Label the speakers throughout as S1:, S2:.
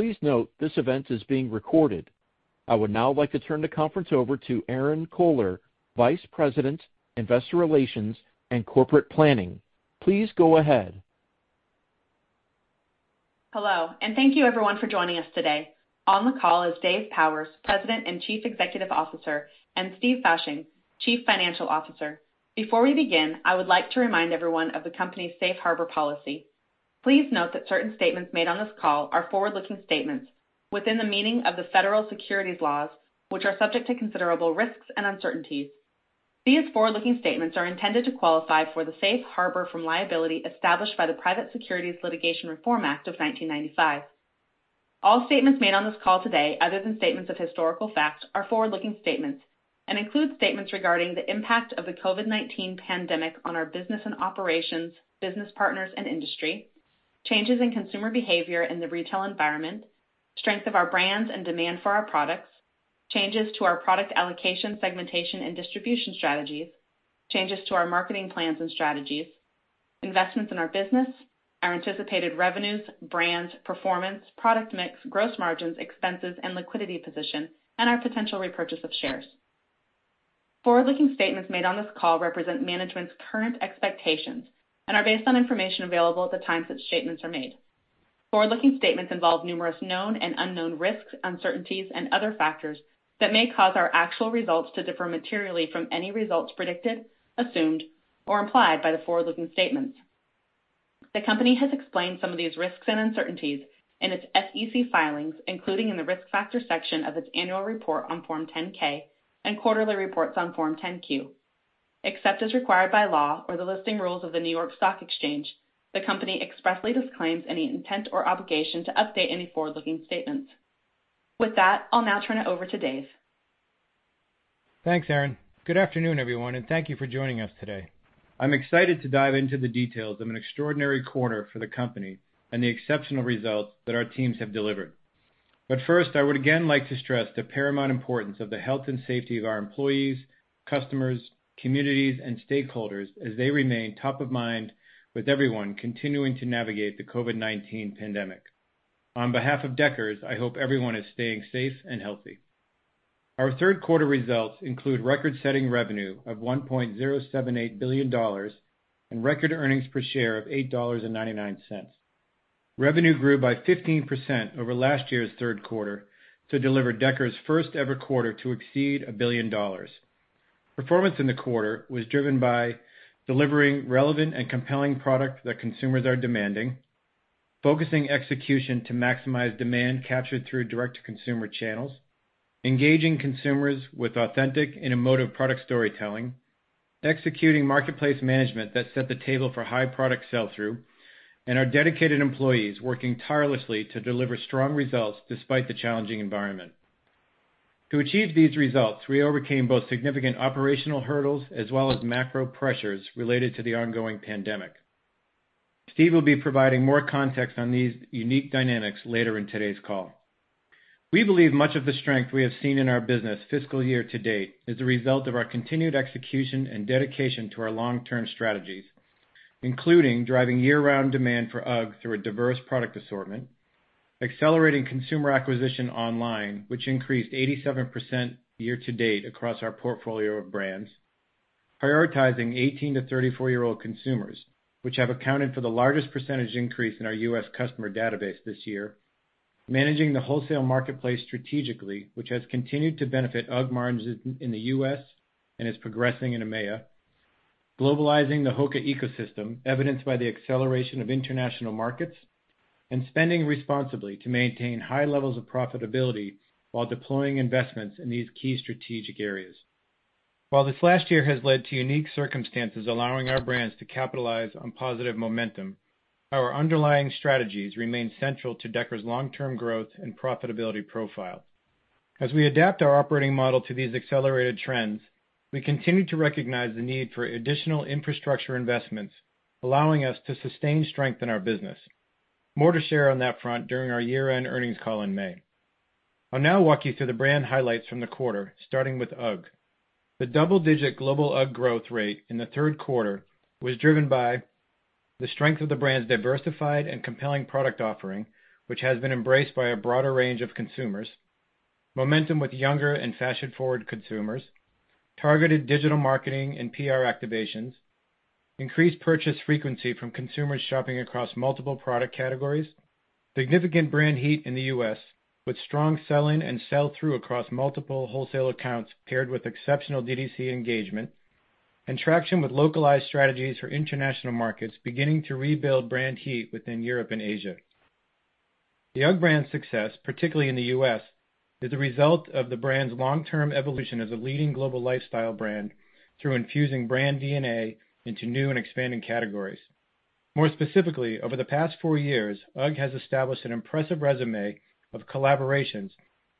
S1: Please note this event is being recorded. I would now like to turn the conference over to Erinn Kohler, Vice President, Investor Relations and Corporate Planning. Please go ahead.
S2: Hello, and thank you everyone for joining us today. On the call is Dave Powers, President and Chief Executive Officer, and Steve Fasching, Chief Financial Officer. Before we begin, I would like to remind everyone of the company's safe harbor policy. Please note that certain statements made on this call are forward-looking statements within the meaning of the federal securities laws, which are subject to considerable risks and uncertainties. These forward-looking statements are intended to qualify for the safe harbor from liability established by the Private Securities Litigation Reform Act of 1995. All statements made on this call today, other than statements of historical facts, are forward-looking statements and include statements regarding the impact of the COVID-19 pandemic on our business and operations, business partners, and industry, changes in consumer behavior in the retail environment, strength of our brands and demand for our products, changes to our product allocation, segmentation, and distribution strategies, changes to our marketing plans and strategies, investments in our business, our anticipated revenues, brand performance, product mix, gross margins, expenses, and liquidity position, and our potential repurchase of shares. Forward-looking statements made on this call represent management's current expectations and are based on information available at the time such statements are made. Forward-looking statements involve numerous known and unknown risks, uncertainties, and other factors that may cause our actual results to differ materially from any results predicted, assumed, or implied by the forward-looking statements. The company has explained some of these risks and uncertainties in its SEC filings, including in the risk factor section of its annual report on Form 10-K and quarterly reports on Form 10-Q. Except as required by law or the listing rules of the New York Stock Exchange, the company expressly disclaims any intent or obligation to update any forward-looking statements. With that, I'll now turn it over to Dave.
S3: Thanks, Erinn. Good afternoon, everyone, and thank you for joining us today. I'm excited to dive into the details of an extraordinary quarter for the company and the exceptional results that our teams have delivered. First, I would again like to stress the paramount importance of the health and safety of our employees, customers, communities, and stakeholders as they remain top of mind with everyone continuing to navigate the COVID-19 pandemic. On behalf of Deckers, I hope everyone is staying safe and healthy. Our third quarter results include record-setting revenue of $1.078 billion and record earnings per share of $8.99. Revenue grew by 15% over last year's third quarter to deliver Deckers' first-ever quarter to exceed a billion dollars. Performance in the quarter was driven by delivering relevant and compelling product that consumers are demanding, focusing execution to maximize demand captured through direct-to-consumer channels, engaging consumers with authentic and emotive product storytelling, executing marketplace management that set the table for high product sell-through, and our dedicated employees working tirelessly to deliver strong results despite the challenging environment. To achieve these results, we overcame both significant operational hurdles as well as macro pressures related to the ongoing pandemic. Steve will be providing more context on these unique dynamics later in today's call. We believe much of the strength we have seen in our business fiscal year-to-date is a result of our continued execution and dedication to our long-term strategies, including driving year-round demand for UGG through a diverse product assortment, accelerating consumer acquisition online, which increased 87% year-to-date across our portfolio of brands, prioritizing 18 to 34-year-old consumers, which have accounted for the largest percentage increase in our U.S. customer database this year. Managing the wholesale marketplace strategically, which has continued to benefit UGG margins in the U.S. and is progressing in EMEA, globalizing the HOKA ecosystem, evidenced by the acceleration of international markets, and spending responsibly to maintain high levels of profitability while deploying investments in these key strategic areas. While this last year has led to unique circumstances allowing our brands to capitalize on positive momentum, our underlying strategies remain central to Deckers' long-term growth and profitability profile. As we adapt our operating model to these accelerated trends, we continue to recognize the need for additional infrastructure investments, allowing us to sustain strength in our business. More to share on that front during our year-end earnings call in May. I'll now walk you through the brand highlights from the quarter, starting with UGG. The double-digit global UGG growth rate in the third quarter was driven by the strength of the brand's diversified and compelling product offering, which has been embraced by a broader range of consumers, momentum with younger and fashion-forward consumers, targeted digital marketing and PR activations, increased purchase frequency from consumers shopping across multiple product categories, significant brand heat in the U.S., with strong selling and sell-through across multiple wholesale accounts paired with exceptional D2C engagement, and traction with localized strategies for international markets beginning to rebuild brand heat within Europe and Asia. The UGG brand's success, particularly in the U.S., is the result of the brand's long-term evolution as a leading global lifestyle brand through infusing brand DNA into new and expanding categories. More specifically, over the past four years, UGG has established an impressive resume of collaborations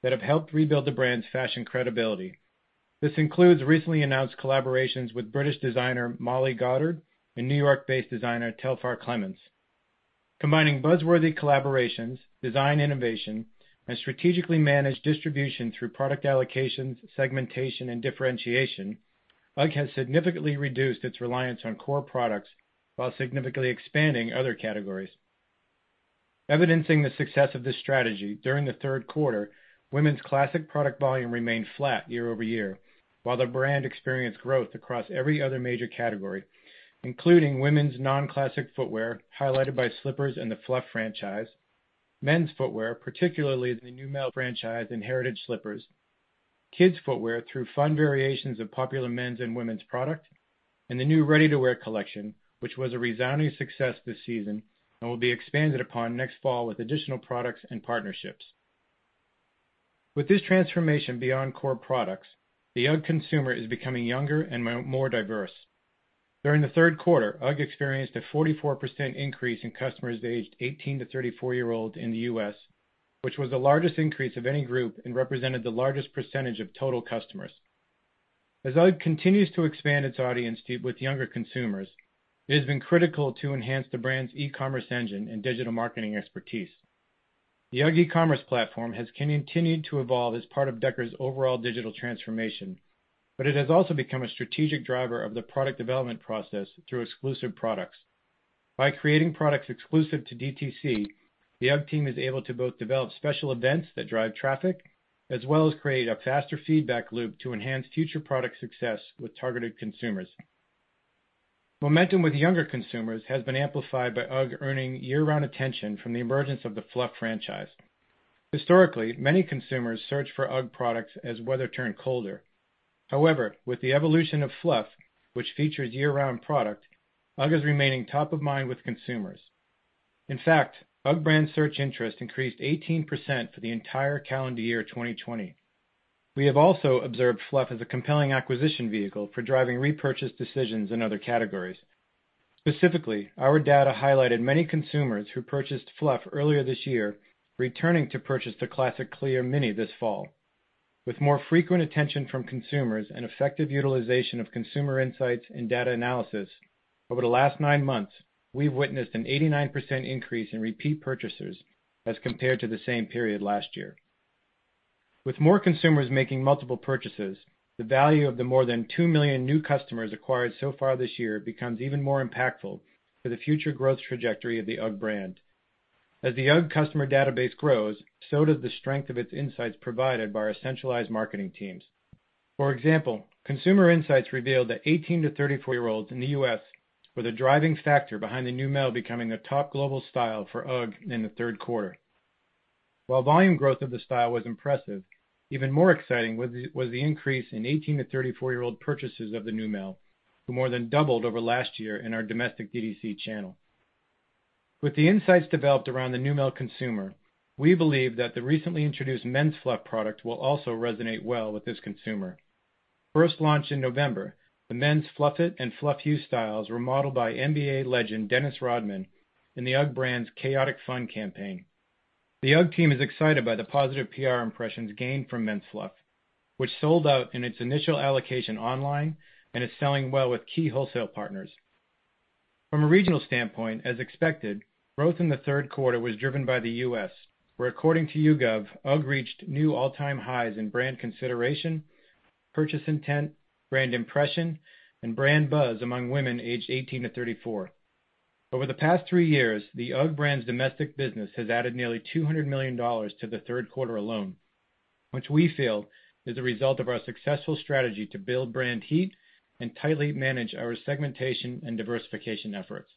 S3: that have helped rebuild the brand's fashion credibility. This includes recently announced collaborations with British designer Molly Goddard and New York-based designer Telfar Clemens. Combining buzzworthy collaborations, design innovation, and strategically managed distribution through product allocations, segmentation, and differentiation, UGG has significantly reduced its reliance on core products while significantly expanding other categories. Evidencing the success of this strategy, during the third quarter, women's classic product volume remained flat year-over-year, while the brand experienced growth across every other major category, including women's non-classic footwear, highlighted by slippers and the Fluff franchise, men's footwear, particularly the Neumel franchise and heritage slippers, kids footwear through fun variations of popular men's and women's product, and the new ready-to-wear collection, which was a resounding success this season and will be expanded upon next fall with additional products and partnerships. With this transformation beyond core products, the UGG consumer is becoming younger and more diverse. During the third quarter, UGG experienced a 44% increase in customers aged 18 to 34 year olds in the U.S., which was the largest increase of any group and represented the largest percentage of total customers. As UGG continues to expand its audience with younger consumers, it has been critical to enhance the brand's e-commerce engine and digital marketing expertise. The UGG e-commerce platform has continued to evolve as part of Deckers overall digital transformation. It has also become a strategic driver of the product development process through exclusive products. By creating products exclusive to DTC, the UGG team is able to both develop special events that drive traffic, as well as create a faster feedback loop to enhance future product success with targeted consumers. Momentum with younger consumers has been amplified by UGG earning year-round attention from the emergence of the Fluff franchise. Historically, many consumers search for UGG products as weather turned colder. However, with the evolution of Fluff, which features year-round product, UGG is remaining top of mind with consumers. In fact, UGG brand search interest increased 18% for the entire calendar year 2020. We have also observed Fluff as a compelling acquisition vehicle for driving repurchase decisions in other categories. Specifically, our data highlighted many consumers who purchased Fluff earlier this year returning to purchase the Classic Clear Mini this fall. With more frequent attention from consumers and effective utilization of consumer insights and data analysis, over the last nine months, we've witnessed an 89% increase in repeat purchasers as compared to the same period last year. With more consumers making multiple purchases, the value of the more than 2 million new customers acquired so far this year becomes even more impactful for the future growth trajectory of the UGG brand. As the UGG customer database grows, so does the strength of its insights provided by our centralized marketing teams. For example, consumer insights revealed that 18 to 34-year-olds in the U.S. were the driving factor behind the Neumel becoming a top global style for UGG in the third quarter. While volume growth of the style was impressive, even more exciting was the increase in 18 to 34-year-old purchases of the Neumel, who more than doubled over last year in our domestic DTC channel. With the insights developed around the Neumel consumer, we believe that the recently introduced men's Fluff product will also resonate well with this consumer. First launched in November, the men's Fluff It and Fluff You styles were modeled by NBA legend Dennis Rodman in the UGG brand's Chaotic Fun campaign. The UGG team is excited by the positive PR impressions gained from Men's Fluff, which sold out in its initial allocation online and is selling well with key wholesale partners. From a regional standpoint, as expected, growth in the third quarter was driven by the U.S., where according to YouGov, UGG reached new all-time highs in brand consideration, purchase intent, brand impression, and brand buzz among women aged 18 to 34. Over the past three years, the UGG brand's domestic business has added nearly $200 million to the third quarter alone, which we feel is a result of our successful strategy to build brand heat and tightly manage our segmentation and diversification efforts.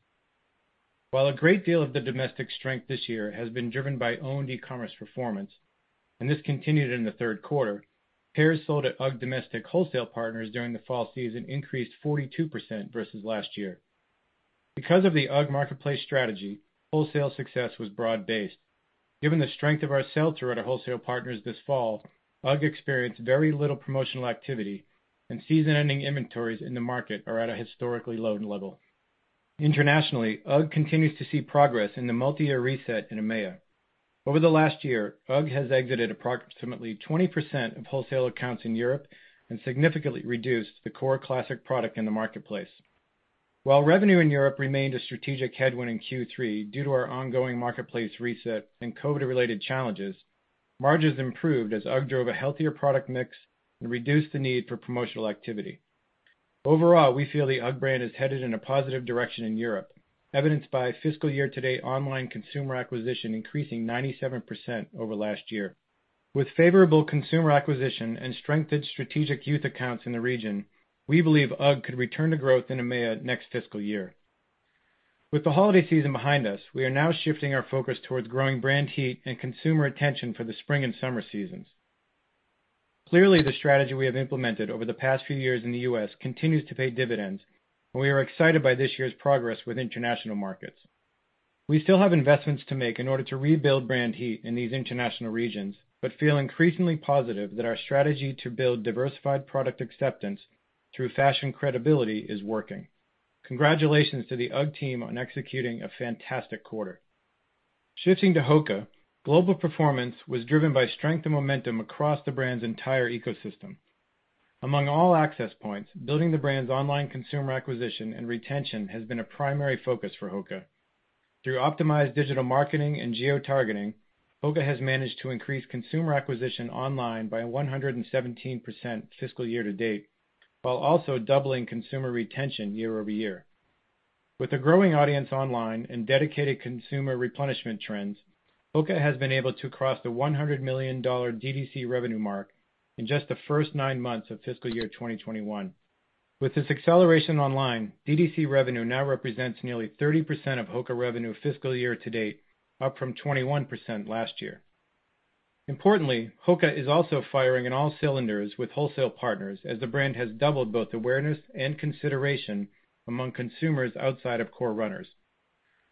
S3: While a great deal of the domestic strength this year has been driven by owned e-commerce performance, and this continued in the third quarter, pairs sold at UGG domestic wholesale partners during the fall season increased 42% versus last year. Because of the UGG marketplace strategy, wholesale success was broad-based. Given the strength of our sell-through to wholesale partners this fall, UGG experienced very little promotional activity, and season-ending inventories in the market are at a historically low level. Internationally, UGG continues to see progress in the multi-year reset in EMEA. Over the last year, UGG has exited approximately 20% of wholesale accounts in Europe and significantly reduced the core classic product in the marketplace. While revenue in Europe remained a strategic headwind in Q3 due to our ongoing marketplace reset and COVID-related challenges, margins improved as UGG drove a healthier product mix and reduced the need for promotional activity. Overall, we feel the UGG brand is headed in a positive direction in Europe, evidenced by fiscal year-to-date online consumer acquisition increasing 97% over last year. With favorable consumer acquisition and strengthened strategic youth accounts in the region, we believe UGG could return to growth in EMEA next fiscal year. With the holiday season behind us, we are now shifting our focus towards growing brand heat and consumer attention for the spring and summer seasons. Clearly, the strategy we have implemented over the past few years in the U.S. continues to pay dividends, and we are excited by this year's progress with international markets. We still have investments to make in order to rebuild brand heat in these international regions, but feel increasingly positive that our strategy to build diversified product acceptance through fashion credibility is working. Congratulations to the UGG team on executing a fantastic quarter. Shifting to HOKA, global performance was driven by strength and momentum across the brand's entire ecosystem. Among all access points, building the brand's online consumer acquisition and retention has been a primary focus for HOKA. Through optimized digital marketing and geotargeting, HOKA has managed to increase consumer acquisition online by 117% fiscal year to date, while also doubling consumer retention year-over-year. With a growing audience online and dedicated consumer replenishment trends, HOKA has been able to cross the $100 million DTC revenue mark in just the first nine months of fiscal year 2021. With this acceleration online, DTC revenue now represents nearly 30% of HOKA revenue fiscal year to date, up from 21% last year. Importantly, HOKA is also firing on all cylinders with wholesale partners as the brand has doubled both awareness and consideration among consumers outside of core runners.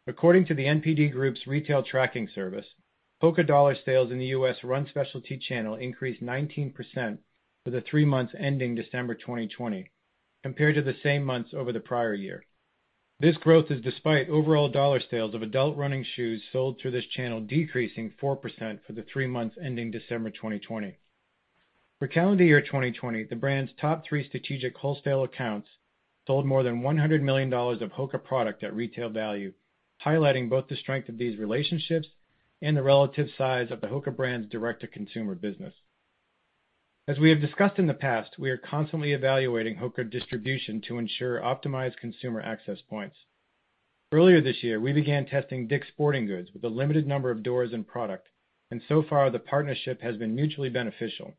S3: According to The NPD Group's retail tracking service, HOKA dollar sales in the U.S. run specialty channel increased 19% for the three months ending December 2020 compared to the same months over the prior year. This growth is despite overall dollar sales of adult running shoes sold through this channel decreasing 4% for the three months ending December 2020. For calendar year 2020, the brand's top three strategic wholesale accounts sold more than $100 million of HOKA product at retail value, highlighting both the strength of these relationships and the relative size of the HOKA brand's direct-to-consumer business. As we have discussed in the past, we are constantly evaluating HOKA distribution to ensure optimized consumer access points. Earlier this year, we began testing DICK'S Sporting Goods with a limited number of doors and product, and so far the partnership has been mutually beneficial.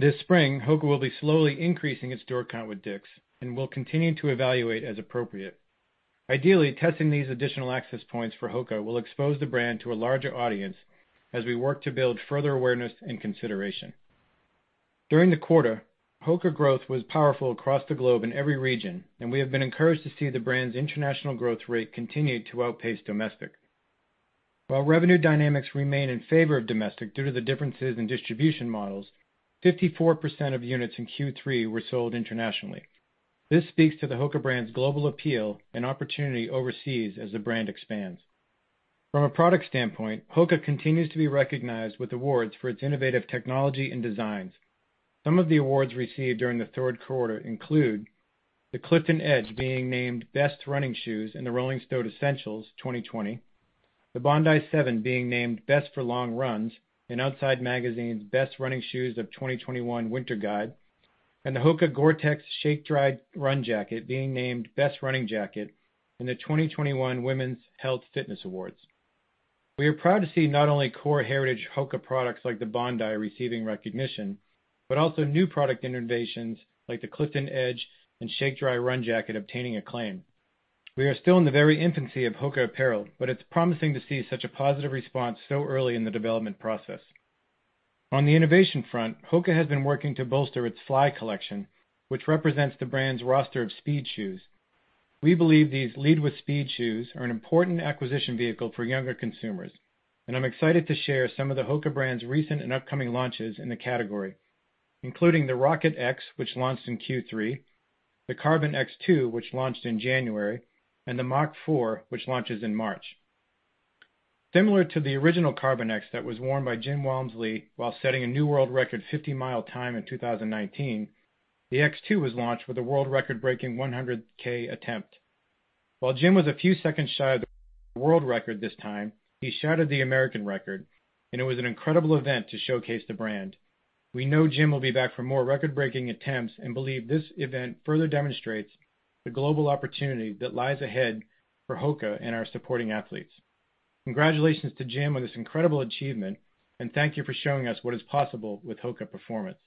S3: This spring, HOKA will be slowly increasing its door count with Dick's and will continue to evaluate as appropriate. Ideally, testing these additional access points for HOKA will expose the brand to a larger audience as we work to build further awareness and consideration. During the quarter, HOKA growth was powerful across the globe in every region, and we have been encouraged to see the brand's international growth rate continue to outpace domestic. While revenue dynamics remain in favor of domestic due to the differences in distribution models, 54% of units in Q3 were sold internationally. This speaks to the HOKA brand's global appeal and opportunity overseas as the brand expands. From a product standpoint, HOKA continues to be recognized with awards for its innovative technology and designs. Some of the awards received during the third quarter include the Clifton Edge being named Best Running Shoes in the Rolling Stone Essentials 2020, the Bondi 7 being named Best for Long Runs in Outside Magazine's Best Running Shoes of 2021 winter guide, and the HOKA GORE-TEX Shakedry Run Jacket being named Best Running Jacket in the 2021 Women's Health Fitness Awards. We are proud to see not only core heritage HOKA products like the Bondi receiving recognition, but also new product innovations like the Clifton Edge and Shakedry Run Jacket obtaining acclaim. We are still in the very infancy of HOKA apparel, but it's promising to see such a positive response so early in the development process. On the innovation front, HOKA has been working to bolster its Fly collection, which represents the brand's roster of speed shoes. We believe these lead with speed shoes are an important acquisition vehicle for younger consumers, and I'm excited to share some of the HOKA brand's recent and upcoming launches in the category, including the Rocket X, which launched in Q3, the Carbon X2, which launched in January, and the Mach 4, which launches in March. Similar to the original Carbon X that was worn by Jim Walmsley while setting a new world record 50-mile time in 2019, the X2 was launched with a world record-breaking 100K attempt. While Jim was a few seconds shy of the world record this time, he shattered the American record, and it was an incredible event to showcase the brand. We know Jim will be back for more record-breaking attempts and believe this event further demonstrates the global opportunity that lies ahead for HOKA and our supporting athletes. Congratulations to Jim on this incredible achievement, and thank you for showing us what is possible with HOKA performance.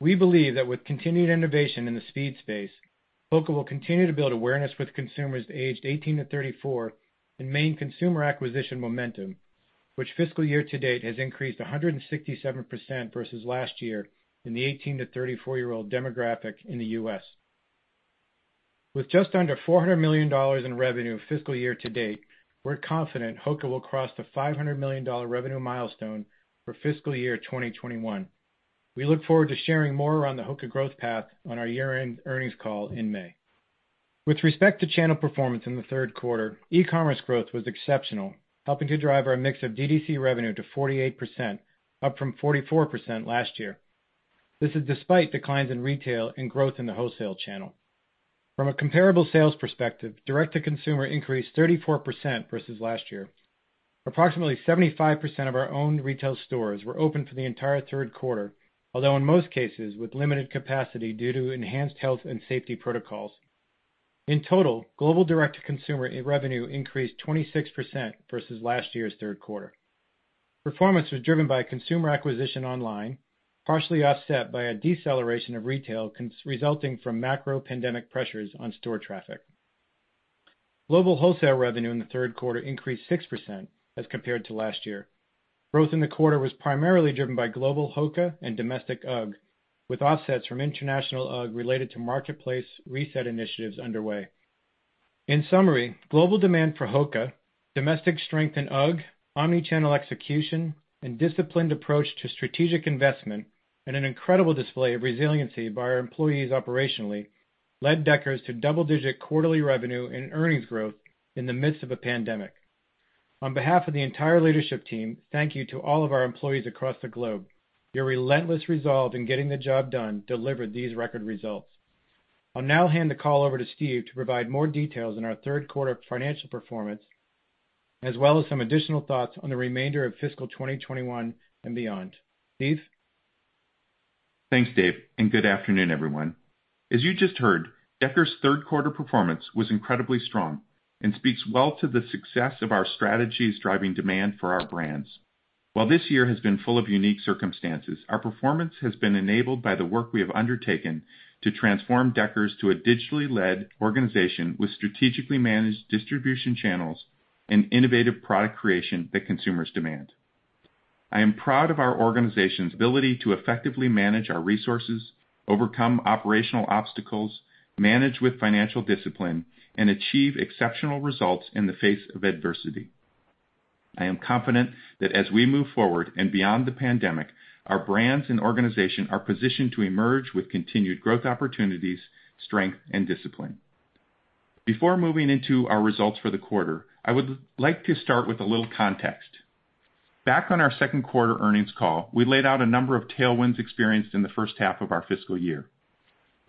S3: We believe that with continued innovation in the speed space, HOKA will continue to build awareness with consumers aged 18-34 and maintain consumer acquisition momentum, which fiscal year to date has increased 167% versus last year in the 18-34-year-old demographic in the U.S. With just under $400 million in revenue fiscal year to date, we're confident HOKA will cross the $500 million revenue milestone for fiscal year 2021. We look forward to sharing more around the HOKA growth path on our year-end earnings call in May. With respect to channel performance in the third quarter, e-commerce growth was exceptional, helping to drive our mix of DTC revenue to 48%, up from 44% last year. This is despite declines in retail and growth in the wholesale channel. From a comparable sales perspective, direct to consumer increased 34% versus last year. Approximately 75% of our own retail stores were open for the entire third quarter, although in most cases, with limited capacity due to enhanced health and safety protocols. In total, global direct to consumer revenue increased 26% versus last year's third quarter. Performance was driven by consumer acquisition online, partially offset by a deceleration of retail resulting from macro pandemic pressures on store traffic. Global wholesale revenue in the third quarter increased 6% as compared to last year. Growth in the quarter was primarily driven by global HOKA and domestic UGG, with offsets from international UGG related to marketplace reset initiatives underway. In summary, global demand for HOKA, domestic strength in UGG, omni-channel execution, and disciplined approach to strategic investment, and an incredible display of resiliency by our employees operationally led Deckers to double-digit quarterly revenue and earnings growth in the midst of a pandemic. On behalf of the entire leadership team, thank you to all of our employees across the globe. Your relentless resolve in getting the job done delivered these record results. I'll now hand the call over to Steve to provide more details on our third quarter financial performance, as well as some additional thoughts on the remainder of fiscal 2021 and beyond. Steve.
S4: Thanks, Dave, and good afternoon, everyone. As you just heard, Deckers' third quarter performance was incredibly strong and speaks well to the success of our strategies driving demand for our brands. While this year has been full of unique circumstances, our performance has been enabled by the work we have undertaken to transform Deckers to a digitally led organization with strategically managed distribution channels and innovative product creation that consumers demand. I am proud of our organization's ability to effectively manage our resources, overcome operational obstacles, manage with financial discipline, and achieve exceptional results in the face of adversity. I am confident that as we move forward and beyond the pandemic, our brands and organization are positioned to emerge with continued growth opportunities, strength, and discipline. Before moving into our results for the quarter, I would like to start with a little context. Back on our second quarter earnings call, we laid out a number of tailwinds experienced in the first half of our fiscal year.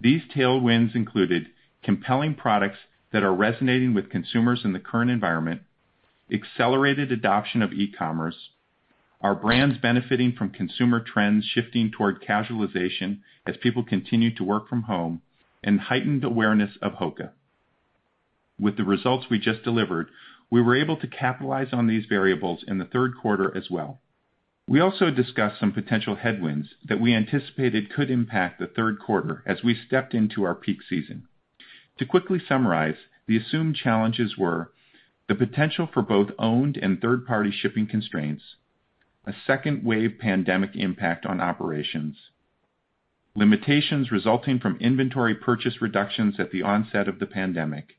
S4: These tailwinds included compelling products that are resonating with consumers in the current environment, accelerated adoption of e-commerce, our brands benefiting from consumer trends shifting toward casualization as people continue to work from home, and heightened awareness of HOKA. With the results we just delivered, we were able to capitalize on these variables in the third quarter as well. We also discussed some potential headwinds that we anticipated could impact the third quarter as we stepped into our peak season. To quickly summarize, the assumed challenges were the potential for both owned and third-party shipping constraints, a second wave pandemic impact on operations, limitations resulting from inventory purchase reductions at the onset of the pandemic,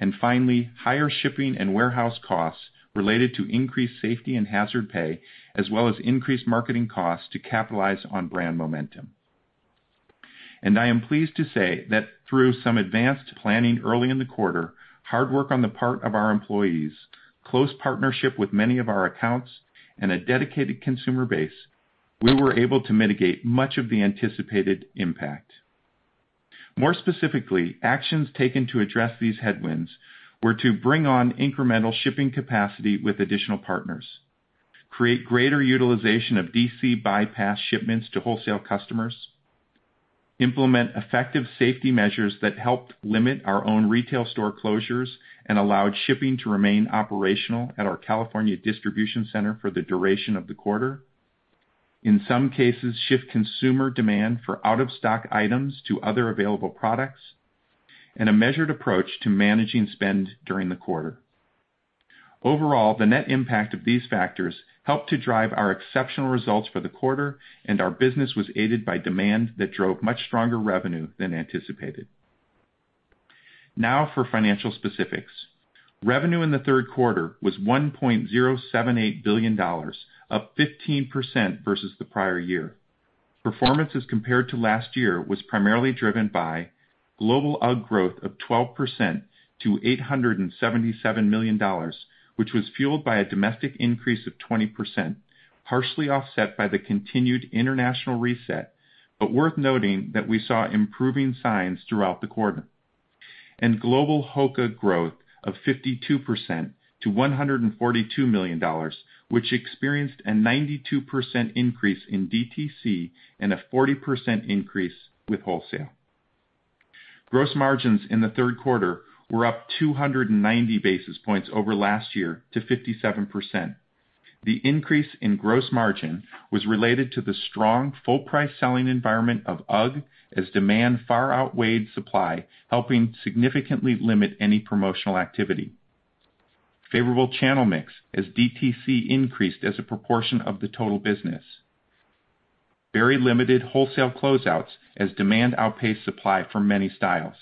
S4: and finally, higher shipping and warehouse costs related to increased safety and hazard pay, as well as increased marketing costs to capitalize on brand momentum. I am pleased to say that through some advanced planning early in the quarter, hard work on the part of our employees, close partnership with many of our accounts, and a dedicated consumer base, we were able to mitigate much of the anticipated impact. More specifically, actions taken to address these headwinds were to bring on incremental shipping capacity with additional partners, create greater utilization of DC bypass shipments to wholesale customers, implement effective safety measures that helped limit our own retail store closures and allowed shipping to remain operational at our California distribution center for the duration of the quarter, in some cases, shift consumer demand for out-of-stock items to other available products, and a measured approach to managing spend during the quarter. Overall, the net impact of these factors helped to drive our exceptional results for the quarter, and our business was aided by demand that drove much stronger revenue than anticipated. Now for financial specifics. Revenue in the third quarter was $1.078 billion, up 15% versus the prior year. Performance as compared to last year was primarily driven by global UGG growth of 12% to $877 million, which was fueled by a domestic increase of 20%, partially offset by the continued international reset. Worth noting that we saw improving signs throughout the quarter. Global HOKA growth of 52% to $142 million, which experienced a 92% increase in DTC and a 40% increase with wholesale. Gross margins in the third quarter were up 290 basis points over last year to 57%. The increase in gross margin was related to the strong full-price selling environment of UGG as demand far outweighed supply, helping significantly limit any promotional activity. Favorable channel mix as DTC increased as a proportion of the total business. Very limited wholesale closeouts as demand outpaced supply for many styles.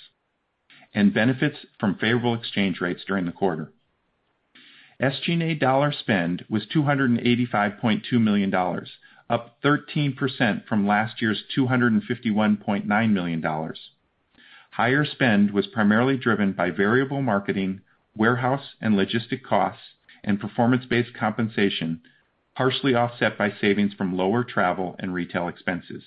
S4: Benefits from favorable exchange rates during the quarter. SGA dollar spend was $285.2 million, up 13% from last year's $251.9 million. Higher spend was primarily driven by variable marketing, warehouse and logistic costs, and performance-based compensation, partially offset by savings from lower travel and retail expenses.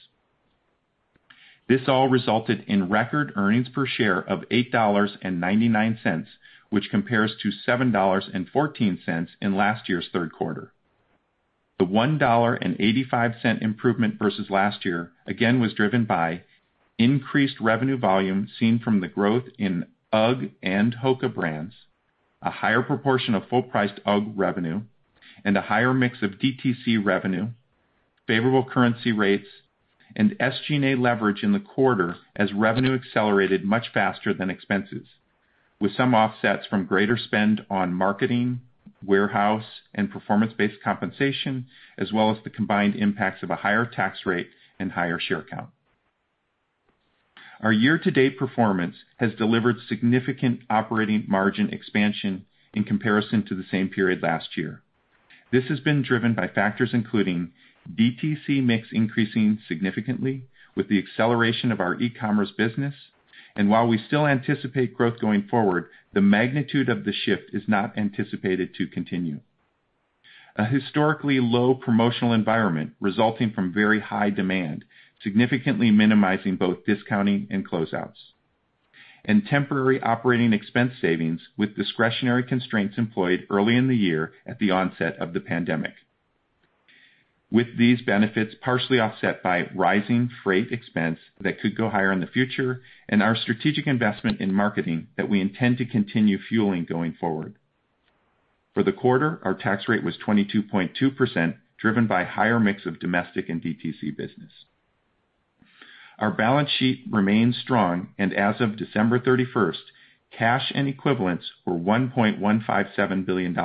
S4: This all resulted in record earnings per share of $8.99, which compares to $7.14 in last year's third quarter. The $1.85 improvement versus last year again was driven by increased revenue volume seen from the growth in UGG and HOKA brands, a higher proportion of full-priced UGG revenue and a higher mix of DTC revenue, favorable currency rates, and SGA leverage in the quarter as revenue accelerated much faster than expenses with some offsets from greater spend on marketing, warehouse, and performance-based compensation, as well as the combined impacts of a higher tax rate and higher share count. Our year-to-date performance has delivered significant operating margin expansion in comparison to the same period last year. This has been driven by factors including DTC mix increasing significantly with the acceleration of our e-commerce business. While we still anticipate growth going forward, the magnitude of the shift is not anticipated to continue. A historically low promotional environment resulting from very high demand, significantly minimizing both discounting and closeouts. Temporary operating expense savings with discretionary constraints employed early in the year at the onset of the pandemic. With these benefits partially offset by rising freight expense that could go higher in the future, and our strategic investment in marketing that we intend to continue fueling going forward. For the quarter, our tax rate was 22.2%, driven by higher mix of domestic and DTC business. Our balance sheet remains strong, and as of December 31st, cash and equivalents were $1.157 billion.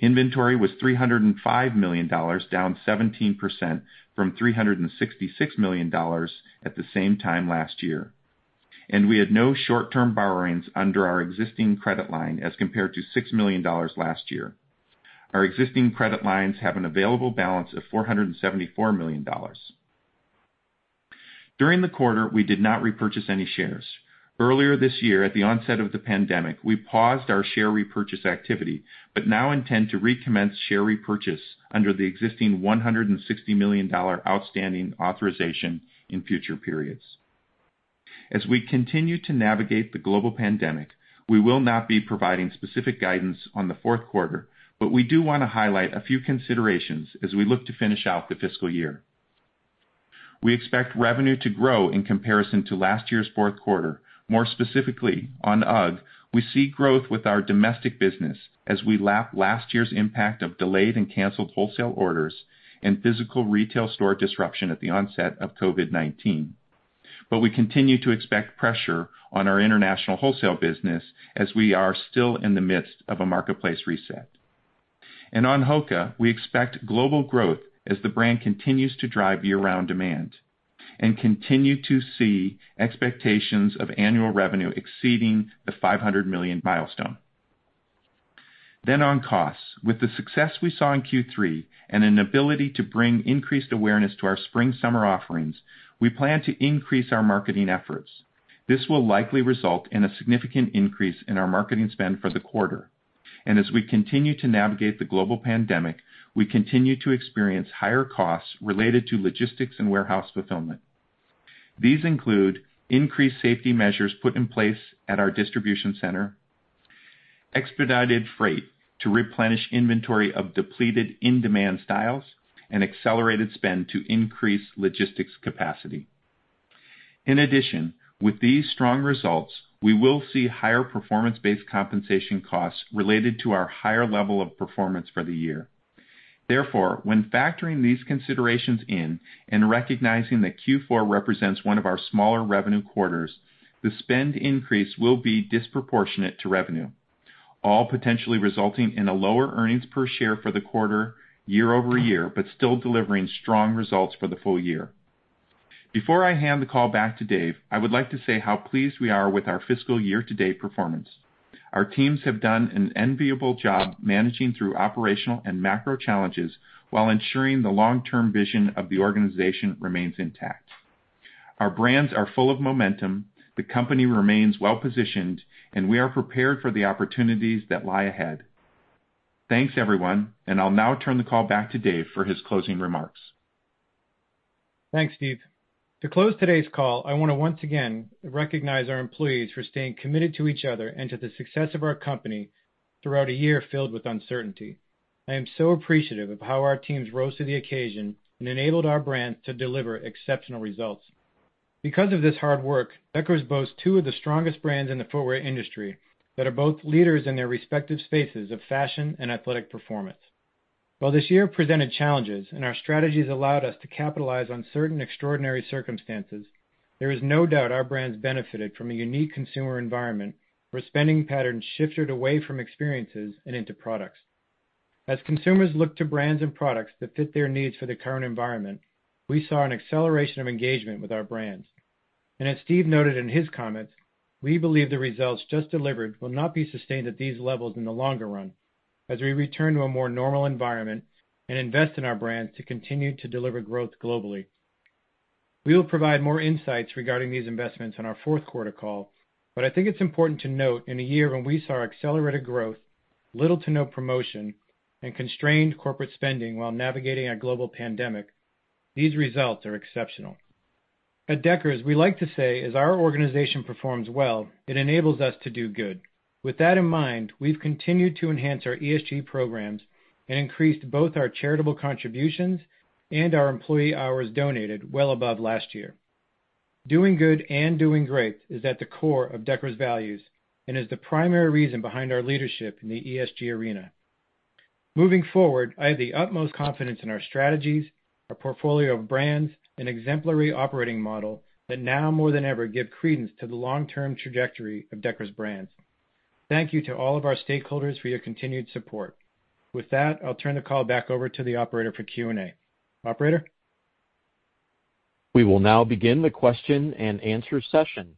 S4: Inventory was $305 million, down 17% from $366 million at the same time last year. We had no short-term borrowings under our existing credit line as compared to $6 million last year. Our existing credit lines have an available balance of $474 million. During the quarter, we did not repurchase any shares. Earlier this year, at the onset of the pandemic, we paused our share repurchase activity, but now intend to recommence share repurchase under the existing $160 million outstanding authorization in future periods. As we continue to navigate the global pandemic, we will not be providing specific guidance on the fourth quarter, but we do want to highlight a few considerations as we look to finish out the fiscal year. We expect revenue to grow in comparison to last year's fourth quarter. More specifically, on UGG, we see growth with our domestic business as we lap last year's impact of delayed and canceled wholesale orders and physical retail store disruption at the onset of COVID-19. We continue to expect pressure on our international wholesale business as we are still in the midst of a marketplace reset. On HOKA, we expect global growth as the brand continues to drive year-round demand and continue to see expectations of annual revenue exceeding the $500 million milestone. On costs. With the success we saw in Q3 and an ability to bring increased awareness to our spring-summer offerings, we plan to increase our marketing efforts. This will likely result in a significant increase in our marketing spend for the quarter. As we continue to navigate the global pandemic, we continue to experience higher costs related to logistics and warehouse fulfillment. These include increased safety measures put in place at our distribution center, expedited freight to replenish inventory of depleted in-demand styles, and accelerated spend to increase logistics capacity. With these strong results, we will see higher performance-based compensation costs related to our higher level of performance for the year. When factoring these considerations in and recognizing that Q4 represents one of our smaller revenue quarters, the spend increase will be disproportionate to revenue, all potentially resulting in a lower earnings per share for the quarter year-over-year, still delivering strong results for the full year. Before I hand the call back to Dave, I would like to say how pleased we are with our fiscal year-to-date performance. Our teams have done an enviable job managing through operational and macro challenges while ensuring the long-term vision of the organization remains intact. Our brands are full of momentum, the company remains well-positioned, and we are prepared for the opportunities that lie ahead. Thanks, everyone, and I'll now turn the call back to Dave for his closing remarks.
S3: Thanks, Steve. To close today's call, I want to once again recognize our employees for staying committed to each other and to the success of our company throughout a year filled with uncertainty. I am so appreciative of how our teams rose to the occasion and enabled our brands to deliver exceptional results. Because of this hard work, Deckers boasts two of the strongest brands in the footwear industry that are both leaders in their respective spaces of fashion and athletic performance. While this year presented challenges and our strategies allowed us to capitalize on certain extraordinary circumstances, there is no doubt our brands benefited from a unique consumer environment where spending patterns shifted away from experiences and into products. As consumers look to brands and products that fit their needs for the current environment, we saw an acceleration of engagement with our brands. As Steve noted in his comments, we believe the results just delivered will not be sustained at these levels in the longer run as we return to a more normal environment and invest in our brands to continue to deliver growth globally. We will provide more insights regarding these investments on our fourth quarter call, I think it's important to note in a year when we saw accelerated growth, little to no promotion, and constrained corporate spending while navigating a global pandemic, these results are exceptional. At Deckers, we like to say as our organization performs well, it enables us to do good. With that in mind, we've continued to enhance our ESG programs and increased both our charitable contributions and our employee hours donated well above last year. Doing good and doing great is at the core of Deckers' values and is the primary reason behind our leadership in the ESG arena. Moving forward, I have the utmost confidence in our strategies, our portfolio of brands, and exemplary operating model that now more than ever give credence to the long-term trajectory of Deckers Brands. Thank you to all of our stakeholders for your continued support. With that, I'll turn the call back over to the operator for Q&A. Operator?
S1: We will now begin the question and answer session.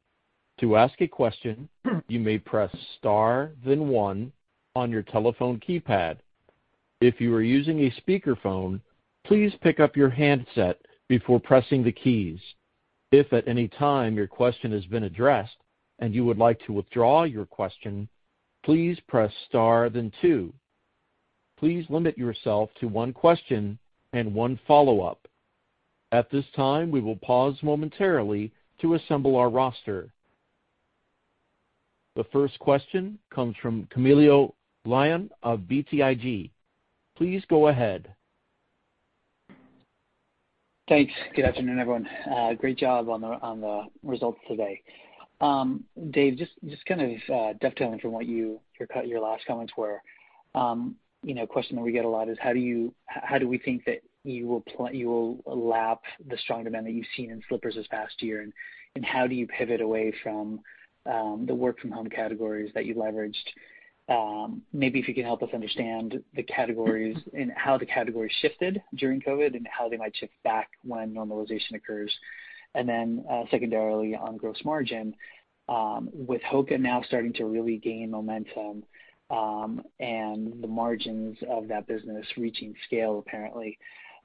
S1: To ask a question, you may press star then one on your telephone keypad. If you are using a speakerphone, please pick up your handset before pressing the keys. If at any time your question has been addressed and you would like to withdraw your question, please press star then two. Please limit yourself to one question and one follow-up. At this time, we will pause momentarily to assemble our roster. The first question comes from Camilo Lyon of BTIG. Please go ahead.
S5: Thanks. Good afternoon, everyone. Great job on the results today. Dave, just dovetailing from what your last comments were. A question that we get a lot is how do we think that you will lap the strong demand that you've seen in slippers this past year, and how do you pivot away from the work from home categories that you leveraged? Maybe if you could help us understand the categories and how the categories shifted during COVID-19, and how they might shift back when normalization occurs. Secondarily, on gross margin. With HOKA now starting to really gain momentum and the margins of that business reaching scale apparently,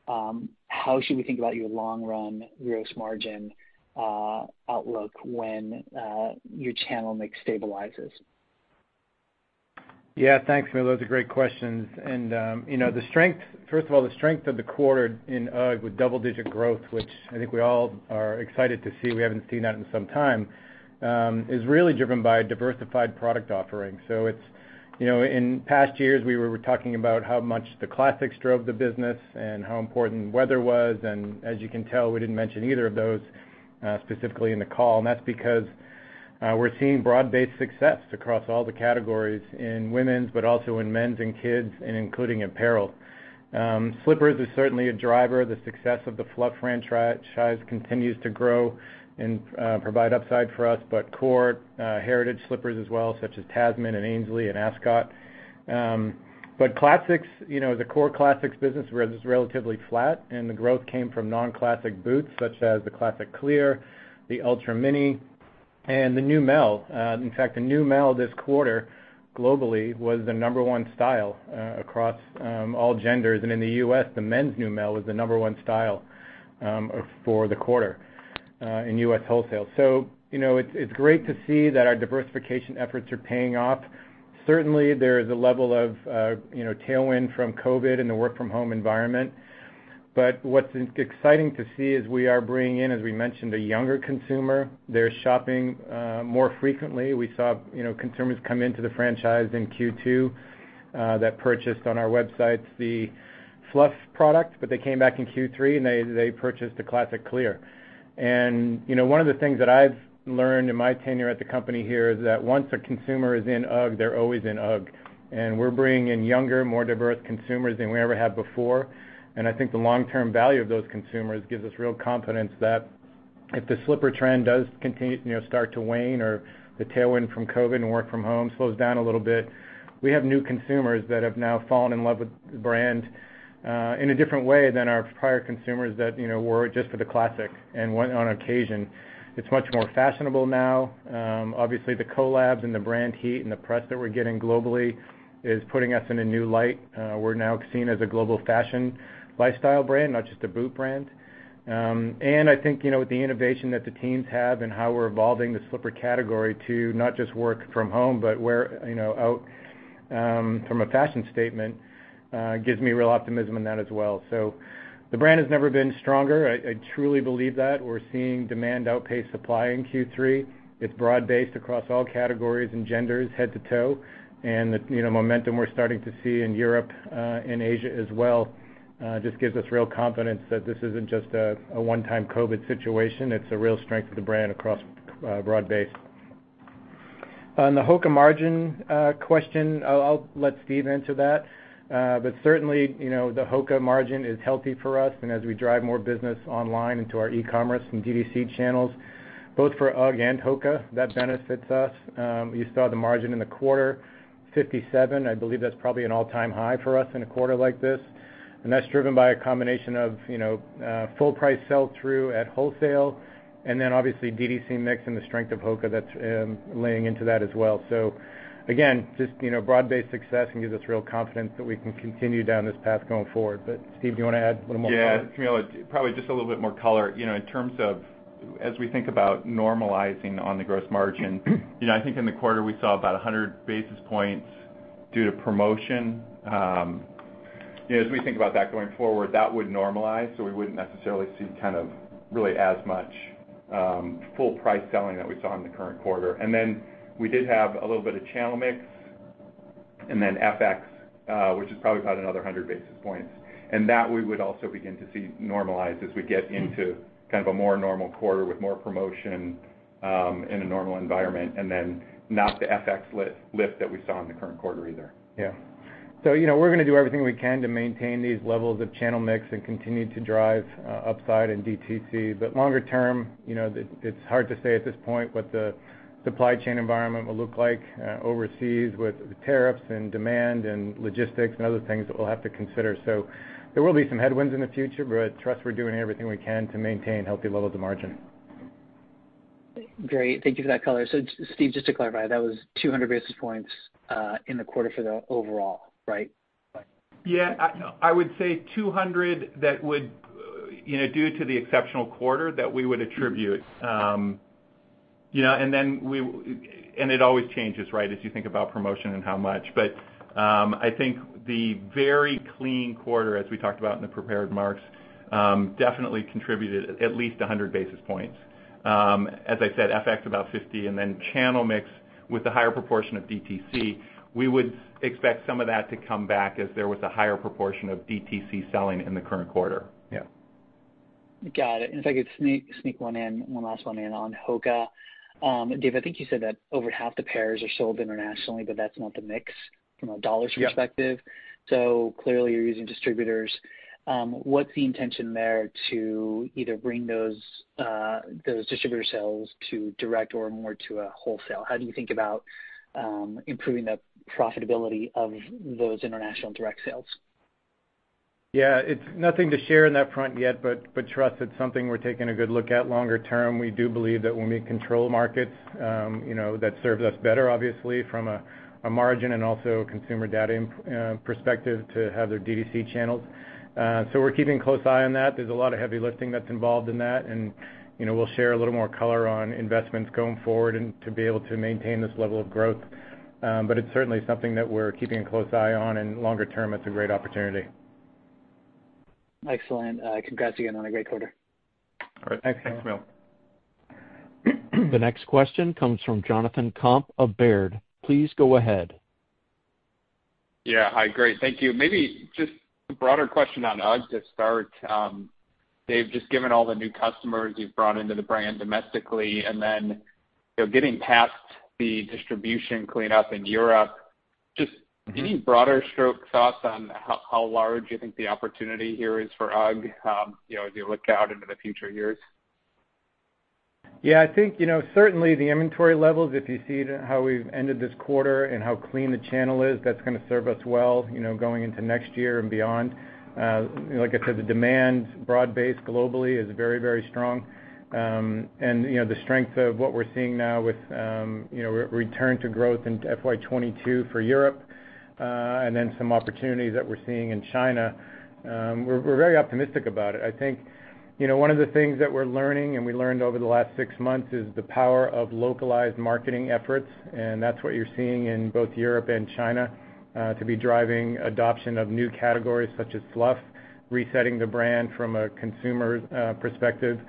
S5: how should we think about your long-run gross margin outlook when your channel mix stabilizes?
S3: Thanks, Camilo. Those are great questions. First of all, the strength of the quarter in UGG with double-digit growth, which I think we all are excited to see, we haven't seen that in some time, is really driven by a diversified product offering. In past years, we were talking about how much the classics drove the business and how important weather was, and as you can tell, we didn't mention either of those specifically in the call. That's because we're seeing broad-based success across all the categories in women's, but also in men's and kids, and including apparel. Slippers is certainly a driver. The success of the Fluff franchise continues to grow and provide upside for us, but core heritage slippers as well, such as Tasman and Ansley and Ascot. The core classics business was relatively flat, and the growth came from non-classic boots such as the Classic Clear, the Ultra Mini, and the Neumel. In fact, the Neumel this quarter globally was the number one style across all genders. In the U.S., the men's Neumel was the number one style for the quarter in U.S. wholesale. It's great to see that our diversification efforts are paying off. Certainly, there is a level of tailwind from COVID-19 and the work from home environment. What's exciting to see is we are bringing in, as we mentioned, a younger consumer. They're shopping more frequently. We saw consumers come into the franchise in Q2 that purchased on our websites the Fluff product, but they came back in Q3, and they purchased a Classic Clear. One of the things that I've learned in my tenure at the company here is that once a consumer is in UGG, they're always in UGG. We're bringing in younger, more diverse consumers than we ever have before. I think the long-term value of those consumers gives us real confidence that if the slipper trend does start to wane or the tailwind from COVID and work from home slows down a little bit, we have new consumers that have now fallen in love with the brand in a different way than our prior consumers that were just for the classic and went on occasion. It's much more fashionable now. Obviously, the collabs and the brand heat and the press that we're getting globally is putting us in a new light. We're now seen as a global fashion lifestyle brand, not just a boot brand. I think with the innovation that the teams have and how we're evolving the slipper category to not just work from home, but wear out from a fashion statement gives me real optimism in that as well. The brand has never been stronger. I truly believe that. We're seeing demand outpace supply in Q3. It's broad based across all categories and genders head to toe. The momentum we're starting to see in Europe and Asia as well just gives us real confidence that this isn't just a one-time COVID situation. It's a real strength of the brand across broad base. On the HOKA margin question, I'll let Steve answer that. Certainly, the HOKA margin is healthy for us, and as we drive more business online into our e-commerce and D2C channels, both for UGG and HOKA, that benefits us. You saw the margin in the quarter, 57%. I believe that's probably an all-time high for us in a quarter like this. That's driven by a combination of full price sell-through at wholesale and then obviously DTC mix and the strength of HOKA that's laying into that as well. Again, just broad-based success and gives us real confidence that we can continue down this path going forward. Steve, do you want to add a little more color?
S4: Yeah. Camilo, probably just a little bit more color. In terms of as we think about normalizing on the gross margin, I think in the quarter we saw about 100 basis points due to promotion. As we think about that going forward, that would normalize. We wouldn't necessarily see really as much full price selling that we saw in the current quarter. We did have a little bit of channel mix and then FX which is probably about another 100 basis points. That we would also begin to see normalize as we get into a more normal quarter with more promotion in a normal environment, and then not the FX lift that we saw in the current quarter either.
S3: Yeah. We're going to do everything we can to maintain these levels of channel mix and continue to drive upside in DTC. Longer term, it's hard to say at this point what the supply chain environment will look like overseas with tariffs and demand and logistics and other things that we'll have to consider. There will be some headwinds in the future, but trust we're doing everything we can to maintain healthy levels of margin.
S5: Great. Thank you for that color. Steve, just to clarify, that was 200 basis points in the quarter for the overall, right?
S4: Yeah. I would say 200 basis points, due to the exceptional quarter, that we would attribute. It always changes, right? As you think about promotion and how much. I think the very clean quarter, as we talked about in the prepared marks, definitely contributed at least 100 basis points. As I said, FX about 50 basis points, and then channel mix with the higher proportion of DTC, we would expect some of that to come back as there was a higher proportion of DTC selling in the current quarter. Yeah.
S5: Got it. If I could sneak one in, one last one in on HOKA. Dave, I think you said that over half the pairs are sold internationally, but that's not the mix from a $ perspective.
S3: Yep.
S5: Clearly you're using distributors. What's the intention there to either bring those distributor sales to direct or more to a wholesale? How do you think about improving the profitability of those international direct sales?
S3: Yeah. It's nothing to share on that front yet, but trust it's something we're taking a good look at longer term. We do believe that when we control markets that serves us better, obviously, from a margin and also a consumer data perspective to have their DTC channels. We're keeping a close eye on that. There's a lot of heavy lifting that's involved in that, and we'll share a little more color on investments going forward and to be able to maintain this level of growth. It's certainly something that we're keeping a close eye on, and longer term, it's a great opportunity.
S5: Excellent. Congrats again on a great quarter.
S3: All right. Thanks, Camilo.
S1: The next question comes from Jonathan Komp of Baird. Please go ahead.
S6: Hi, great. Thank you. Maybe just a broader question on UGG to start. Dave, just given all the new customers you've brought into the brand domestically, and then getting past the distribution cleanup in Europe, just any broader stroke thoughts on how large you think the opportunity here is for UGG, as you look out into the future years?
S3: Yeah, I think certainly the inventory levels, if you see how we've ended this quarter and how clean the channel is, that's going to serve us well going into next year and beyond. Like I said, the demand broad-based globally is very strong. The strength of what we're seeing now with return to growth in FY 2022 for Europe, and then some opportunities that we're seeing in China, we're very optimistic about it. I think one of the things that we're learning, and we learned over the last six months, is the power of localized marketing efforts, and that's what you're seeing in both Europe and China, to be driving adoption of new categories such as Fluff, resetting the brand from a consumer perspective.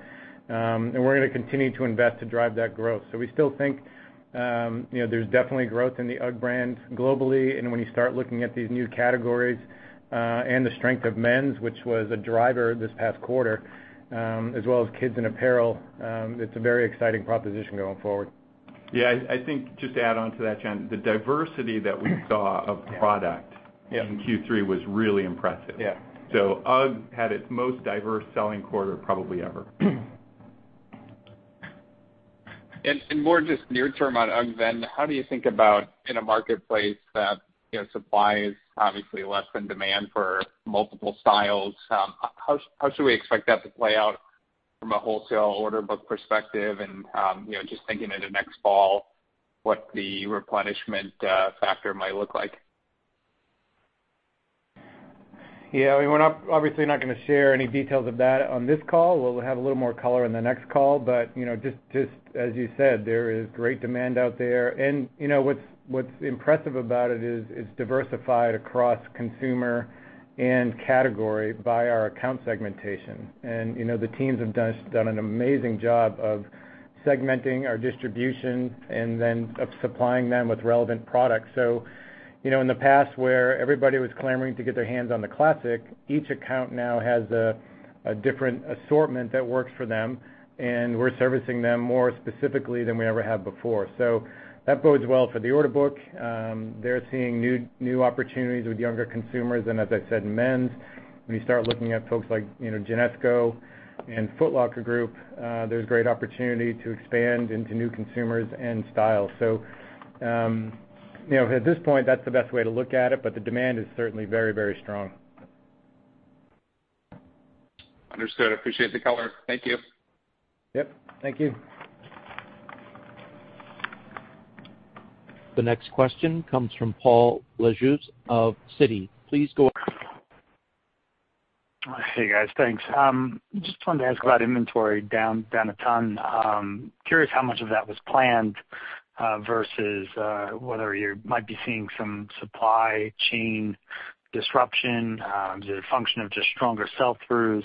S3: We're going to continue to invest to drive that growth. We still think there's definitely growth in the UGG brand globally, and when you start looking at these new categories, and the strength of men's, which was a driver this past quarter, as well as kids and apparel, it's a very exciting proposition going forward.
S4: Yeah, I think just to add onto that, John, the diversity that we saw of product.
S3: Yeah
S4: in Q3 was really impressive.
S3: Yeah.
S4: UGG had its most diverse selling quarter probably ever.
S6: More just near term on UGG, how do you think about in a marketplace that supply is obviously less than demand for multiple styles? How should we expect that to play out from a wholesale order book perspective and just thinking into next fall, what the replenishment factor might look like?
S3: Yeah. We're obviously not going to share any details of that on this call. We'll have a little more color in the next call, but just as you said, there is great demand out there. What's impressive about it is it's diversified across consumer and category by our account segmentation. The teams have done an amazing job of segmenting our distribution and then of supplying them with relevant products. In the past where everybody was clamoring to get their hands on the Classic, each account now has a different assortment that works for them, and we're servicing them more specifically than we ever have before. That bodes well for the order book. They're seeing new opportunities with younger consumers, and as I said, in men's. When you start looking at folks like Genesco and Foot Locker Group, there's great opportunity to expand into new consumers and styles. At this point, that's the best way to look at it, but the demand is certainly very strong.
S6: Understood. Appreciate the color. Thank you.
S3: Yep. Thank you.
S1: The next question comes from Paul Lejuez of Citi. Please go
S7: Hey, guys. Thanks. Just wanted to ask about inventory down a ton. Curious how much of that was planned, versus whether you might be seeing some supply chain disruption, is it a function of just stronger sell-throughs?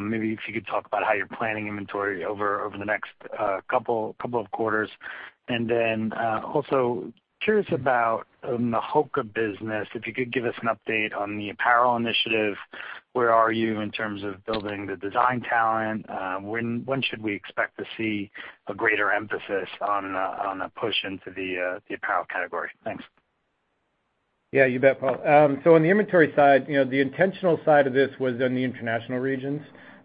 S7: Maybe if you could talk about how you're planning inventory over the next couple of quarters. Then, also curious about the HOKA business, if you could give us an update on the apparel initiative. Where are you in terms of building the design talent? When should we expect to see a greater emphasis on a push into the apparel category? Thanks.
S3: Yeah, you bet, Paul. On the inventory side, the intentional side of this was in the international regions.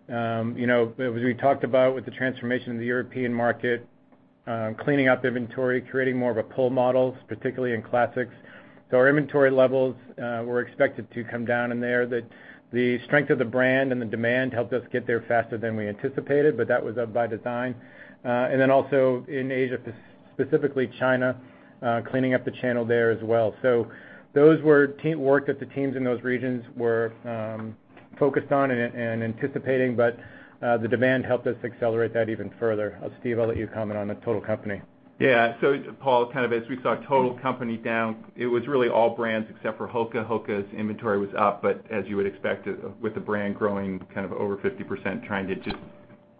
S3: As we talked about with the transformation in the European market. Cleaning up inventory, creating more of a pull model, particularly in classics. Our inventory levels were expected to come down in there. The strength of the brand and the demand helped us get there faster than we anticipated, but that was by design. Also in Asia, specifically China, cleaning up the channel there as well. Those were work that the teams in those regions were focused on and anticipating, but the demand helped us accelerate that even further. Steve, I'll let you comment on the total company.
S4: Yeah. Paul, kind of as we saw total company down, it was really all brands except for HOKA. HOKA's inventory was up, as you would expect, with the brand growing kind of over 50%, trying to just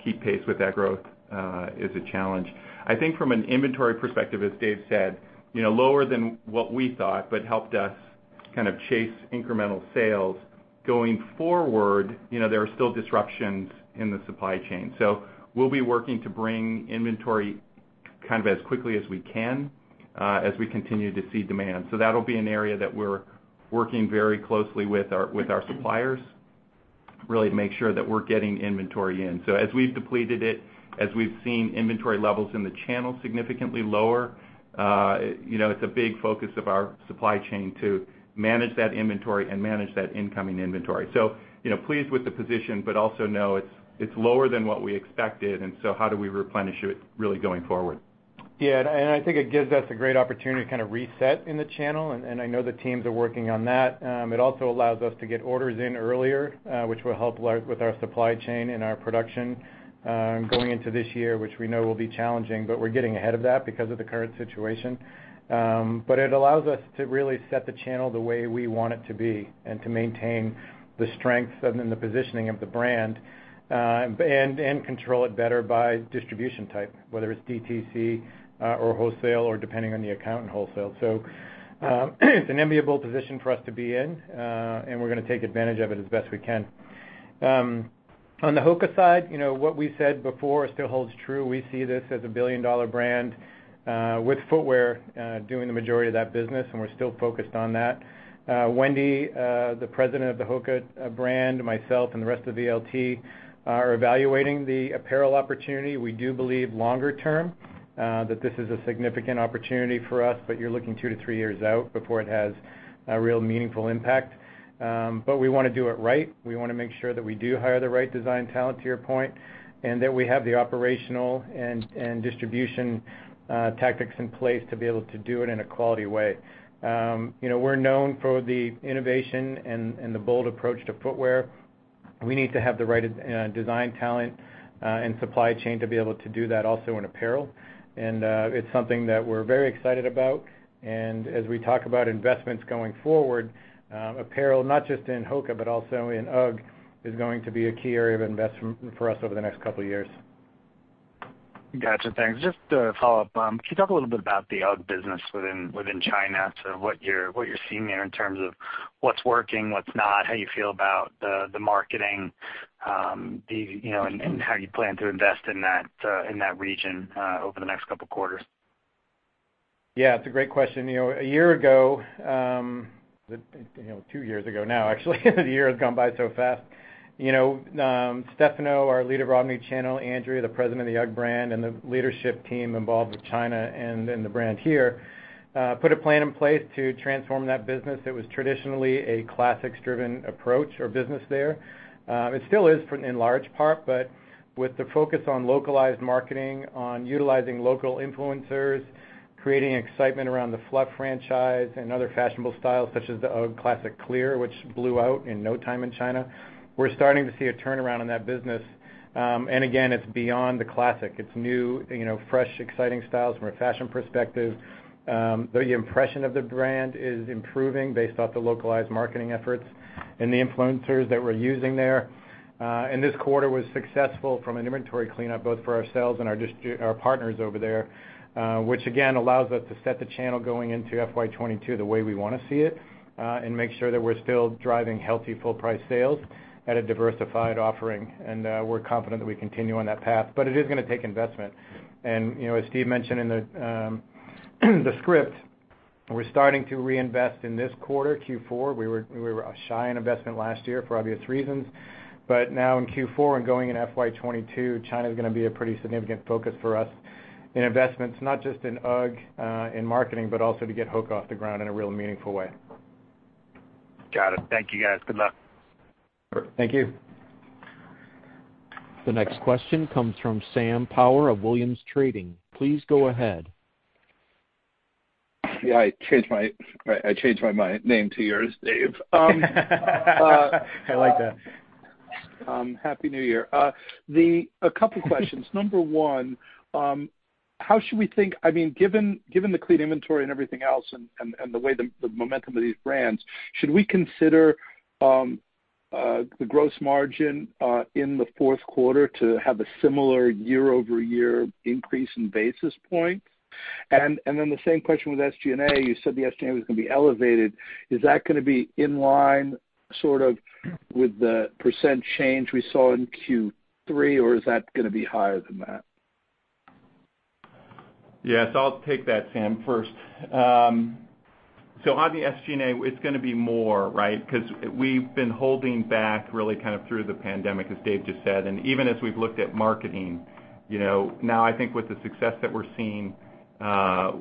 S4: keep pace with that growth is a challenge. I think from an inventory perspective, as Dave said, lower than what we thought, helped us kind of chase incremental sales. Going forward, there are still disruptions in the supply chain. We'll be working to bring inventory kind of as quickly as we can as we continue to see demand. That'll be an area that we're working very closely with our suppliers, really to make sure that we're getting inventory in. As we've depleted it, as we've seen inventory levels in the channel significantly lower, it's a big focus of our supply chain to manage that inventory and manage that incoming inventory. Pleased with the position, but also know it's lower than what we expected, and so how do we replenish it really going forward?
S3: I think it gives us a great opportunity to kind of reset in the channel, and I know the teams are working on that. It also allows us to get orders in earlier, which will help with our supply chain and our production going into this year, which we know will be challenging, but we're getting ahead of that because of the current situation. It allows us to really set the channel the way we want it to be and to maintain the strengths and the positioning of the brand, and control it better by distribution type, whether it's DTC or wholesale or depending on the account in wholesale. It's an enviable position for us to be in, and we're going to take advantage of it as best we can. On the HOKA side, what we said before still holds true. We see this as a billion-dollar brand, with footwear doing the majority of that business, and we're still focused on that. Wendy, the President of the HOKA brand, myself, and the rest of the LT are evaluating the apparel opportunity. We do believe longer term that this is a significant opportunity for us, but you're looking two to three years out before it has a real meaningful impact. We want to do it right. We want to make sure that we do hire the right design talent, to your point, and that we have the operational and distribution tactics in place to be able to do it in a quality way. We're known for the innovation and the bold approach to footwear. We need to have the right design talent and supply chain to be able to do that also in apparel. It's something that we're very excited about. As we talk about investments going forward, apparel, not just in HOKA but also in UGG, is going to be a key area of investment for us over the next couple of years.
S7: Got you. Thanks. Just to follow up, can you talk a little bit about the UGG business within China to what you're seeing there in terms of what's working, what's not, how you feel about the marketing, and how you plan to invest in that region over the next couple of quarters?
S3: Yeah, it's a great question. Two years ago now, actually the year has gone by so fast. Stefano, our leader of omni-channel, Andrea, the President of the UGG brand, and the leadership team involved with China and the brand here, put a plan in place to transform that business that was traditionally a classics-driven approach or business there. It still is in large part, with the focus on localized marketing, on utilizing local influencers, creating excitement around the Fluff franchise and other fashionable styles such as the UGG Classic Clear, which blew out in no time in China, we're starting to see a turnaround in that business. Again, it's beyond the classic. It's new, fresh, exciting styles from a fashion perspective. The impression of the brand is improving based off the localized marketing efforts and the influencers that we're using there. This quarter was successful from an inventory cleanup, both for ourselves and our partners over there. Again, allows us to set the channel going into FY 2022 the way we want to see it, and make sure that we're still driving healthy full price sales at a diversified offering. We're confident that we continue on that path. It is going to take investment. As Steve mentioned in the script, we're starting to reinvest in this quarter, Q4. We were shy in investment last year for obvious reasons. Now in Q4 and going into FY 2022, China's going to be a pretty significant focus for us in investments, not just in UGG in marketing, but also to get HOKA off the ground in a real meaningful way.
S7: Got it. Thank you, guys. Good luck.
S4: Thank you.
S1: The next question comes from Sam Poser of Williams Trading. Please go ahead.
S8: Yeah. I changed my name to yours, Dave.
S3: I like that.
S8: Happy New Year. A couple questions. Number one, how should we think given the clean inventory and everything else and the way the momentum of these brands, should we consider the gross margin in the fourth quarter to have a similar year-over-year increase in basis points? The same question with SGA. You said the SGA was going to be elevated. Is that going to be in line sort of with the % change we saw in Q3, or is that going to be higher than that?
S4: Yes, I'll take that, Sam, first. On the SG&A, it's going to be more because we've been holding back really through the pandemic, as Dave just said. Even as we've looked at marketing, now I think with the success that we're seeing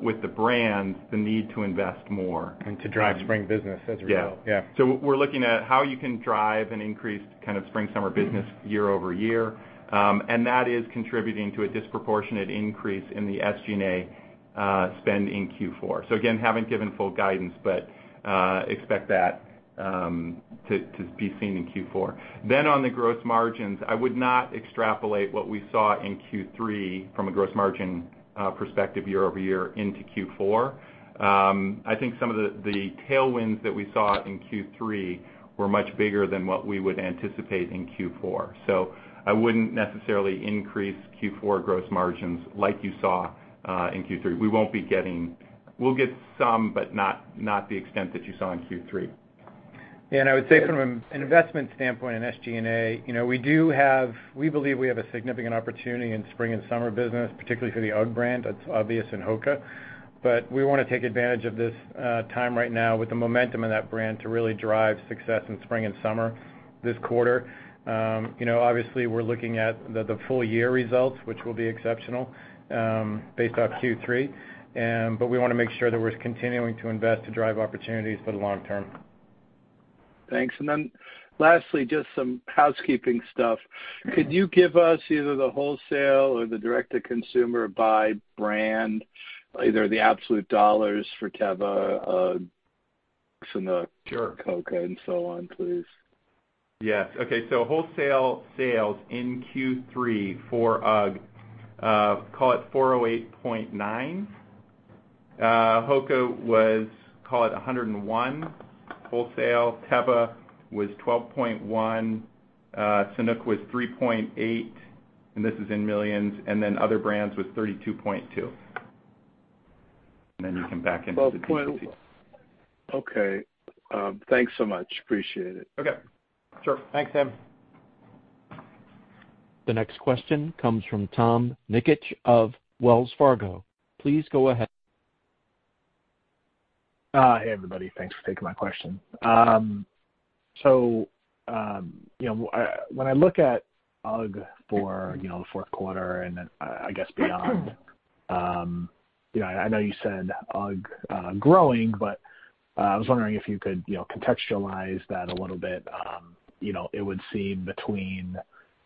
S4: with the brands, the need to invest more.
S3: To drive spring business as a result.
S4: Yeah.
S3: Yeah.
S4: We're looking at how you can drive an increased spring-summer business year-over-year. That is contributing to a disproportionate increase in the SGA spend in Q4. Again, haven't given full guidance, but expect that to be seen in Q4. On the gross margins, I would not extrapolate what we saw in Q3 from a gross margin perspective year-over-year into Q4. I think some of the tailwinds that we saw in Q3 were much bigger than what we would anticipate in Q4. I wouldn't necessarily increase Q4 gross margins like you saw in Q3. We'll get some, but not the extent that you saw in Q3.
S3: I would say from an investment standpoint in SG&A, we believe we have a significant opportunity in spring and summer business, particularly for the UGG brand, that's obvious in HOKA. We want to take advantage of this time right now with the momentum in that brand to really drive success in spring and summer this quarter. Obviously, we're looking at the full year results, which will be exceptional based off Q3. We want to make sure that we're continuing to invest to drive opportunities for the long term.
S8: Thanks. Lastly, just some housekeeping stuff. Could you give us either the wholesale or the direct-to-consumer by brand, either the absolute dollars for Teva, UGG, Sanuk.
S4: Sure
S8: HOKA, and so on, please?
S4: Yes. Okay. Wholesale sales in Q3 for UGG, call it $408.9 million. HOKA was, call it $101 million wholesale. Teva was $12.1 million. Sanuk was $3.8 million. Other brands was $32.2 million. You can back into the D2C.
S8: Okay. Thanks so much. Appreciate it.
S4: Okay. Sure.
S3: Thanks, Steve.
S1: The next question comes from Tom Nikic of Wells Fargo. Please go ahead.
S9: Hey, everybody. Thanks for taking my question. When I look at UGG for the fourth quarter, and then I guess beyond, I know you said UGG growing, but I was wondering if you could contextualize that a little bit. It would seem between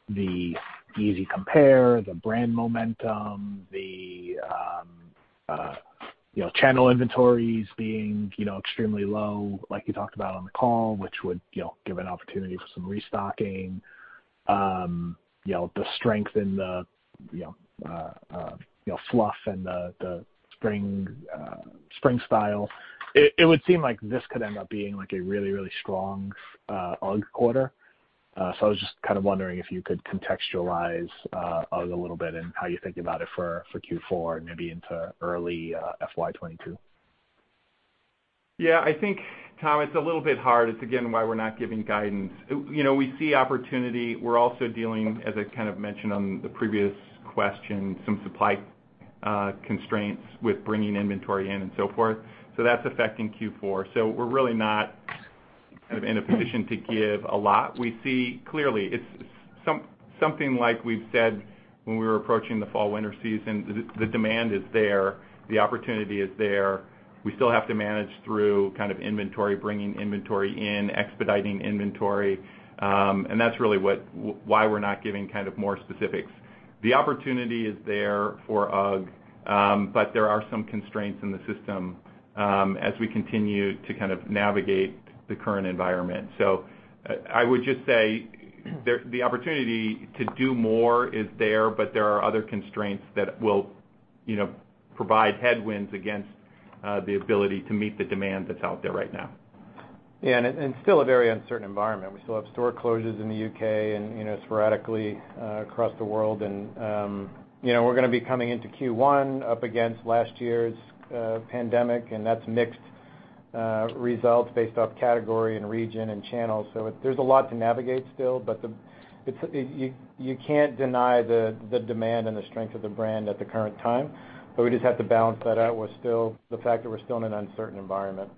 S9: the easy compare, the brand momentum, the channel inventories being extremely low, like you talked about on the call, which would give an opportunity for some restocking, the strength in the Fluff and the spring style. It would seem like this could end up being a really strong UGG quarter. I was just wondering if you could contextualize UGG a little bit and how you think about it for Q4 and maybe into early FY 2022.
S4: Yeah. I think, Tom, it's a little bit hard. It's again, why we're not giving guidance. We see opportunity. We're also dealing, as I kind of mentioned on the previous question, some supply constraints with bringing inventory in and so forth. That's affecting Q4. We're really not in a position to give a lot. We see clearly, it's something like we've said when we were approaching the fall/winter season, the demand is there, the opportunity is there. We still have to manage through inventory, bringing inventory in, expediting inventory. That's really why we're not giving more specifics. The opportunity is there for UGG, but there are some constraints in the system as we continue to navigate the current environment. I would just say the opportunity to do more is there, but there are other constraints that will provide headwinds against the ability to meet the demand that's out there right now.
S3: Yeah, it's still a very uncertain environment. We still have store closures in the U.K. and sporadically across the world. We're going to be coming into Q1 up against last year's pandemic, that's mixed results based off category and region and channels. There's a lot to navigate still, you can't deny the demand and the strength of the brand at the current time. We just have to balance that out with the fact that we're still in an uncertain environment.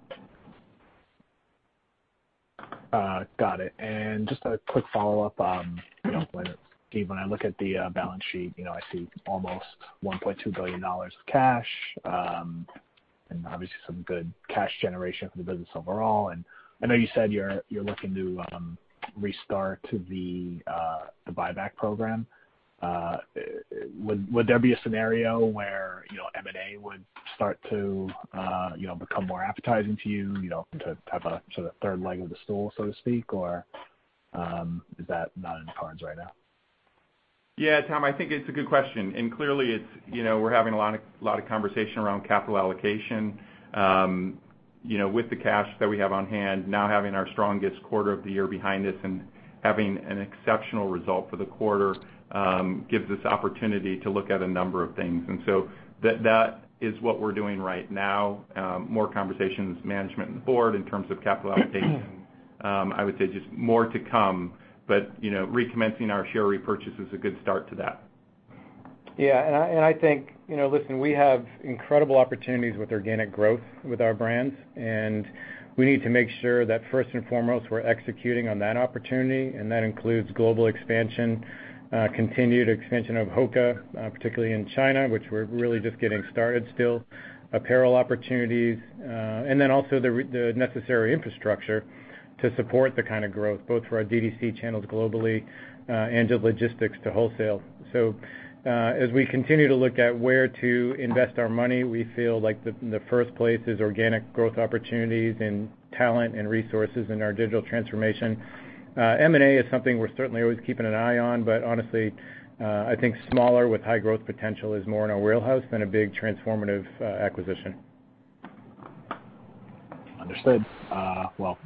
S9: Got it. Just a quick follow-up. When I look at the balance sheet, I see almost $1.2 billion of cash, and obviously some good cash generation for the business overall. I know you said you're looking to restart the buyback program. Would there be a scenario where M&A would start to become more appetizing to you to have a sort of third leg of the stool, so to speak, or is that not in the cards right now?
S4: Yeah, Tom, I think it's a good question. Clearly, we're having a lot of conversation around capital allocation. With the cash that we have on hand now, having our strongest quarter of the year behind us and having an exceptional result for the quarter gives us opportunity to look at a number of things. That is what we're doing right now. More conversations with management and the board in terms of capital allocation. I would say just more to come, recommencing our share repurchase is a good start to that.
S3: I think, listen, we have incredible opportunities with organic growth with our brands. We need to make sure that first and foremost, we're executing on that opportunity. That includes global expansion, continued expansion of HOKA, particularly in China, which we're really just getting started still, apparel opportunities, and then also the necessary infrastructure to support the kind of growth, both for our DTC channels globally, and the logistics to wholesale. As we continue to look at where to invest our money, we feel like the first place is organic growth opportunities and talent and resources in our digital transformation. M&A is something we're certainly always keeping an eye on, honestly, I think smaller with high growth potential is more in our wheelhouse than a big transformative acquisition.
S9: Understood. Well,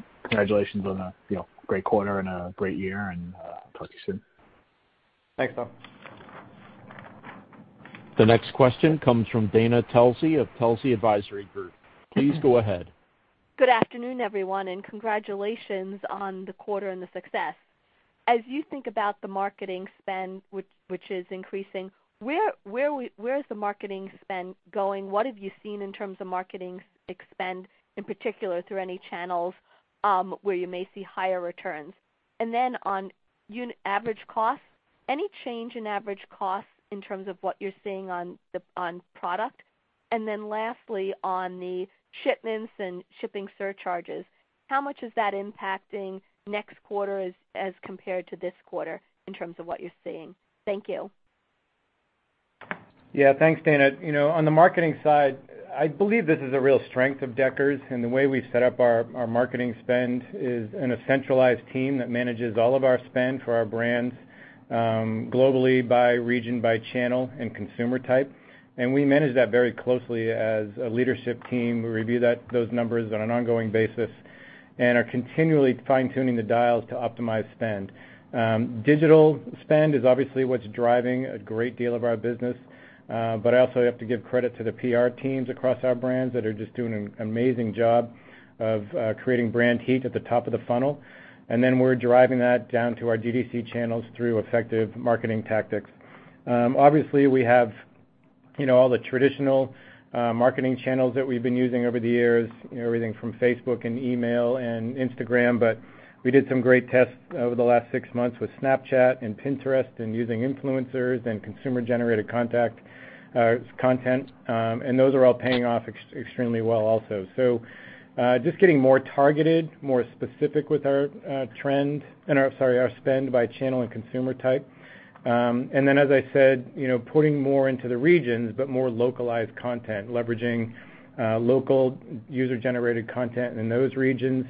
S9: congratulations on a great quarter and a great year and talk to you soon.
S3: Thanks, Tom.
S1: The next question comes from Dana Telsey of Telsey Advisory Group. Please go ahead.
S10: Good afternoon, everyone, and congratulations on the quarter and the success. As you think about the marketing spend, which is increasing, where is the marketing spend going? What have you seen in terms of marketing spend, in particular through any channels, where you may see higher returns? On average costs, any change in average costs in terms of what you're seeing on product? Lastly, on the shipments and shipping surcharges, how much is that impacting next quarter as compared to this quarter in terms of what you're seeing? Thank you.
S3: Yeah. Thanks, Dana. On the marketing side, I believe this is a real strength of Deckers, and the way we've set up our marketing spend is in a centralized team that manages all of our spend for our brands, globally by region, by channel and consumer type. We manage that very closely as a leadership team. We review those numbers on an ongoing basis and are continually fine-tuning the dials to optimize spend. Digital spend is obviously what's driving a great deal of our business. I also have to give credit to the PR teams across our brands that are just doing an amazing job of creating brand heat at the top of the funnel. We're driving that down to our DTC channels through effective marketing tactics. Obviously, we have all the traditional marketing channels that we've been using over the years, everything from Facebook and email and Instagram, but we did some great tests over the last six months with Snapchat and Pinterest and using influencers and consumer-generated content. Those are all paying off extremely well also. Just getting more targeted, more specific with our spend by channel and consumer type. As I said, putting more into the regions, but more localized content, leveraging local user-generated content in those regions,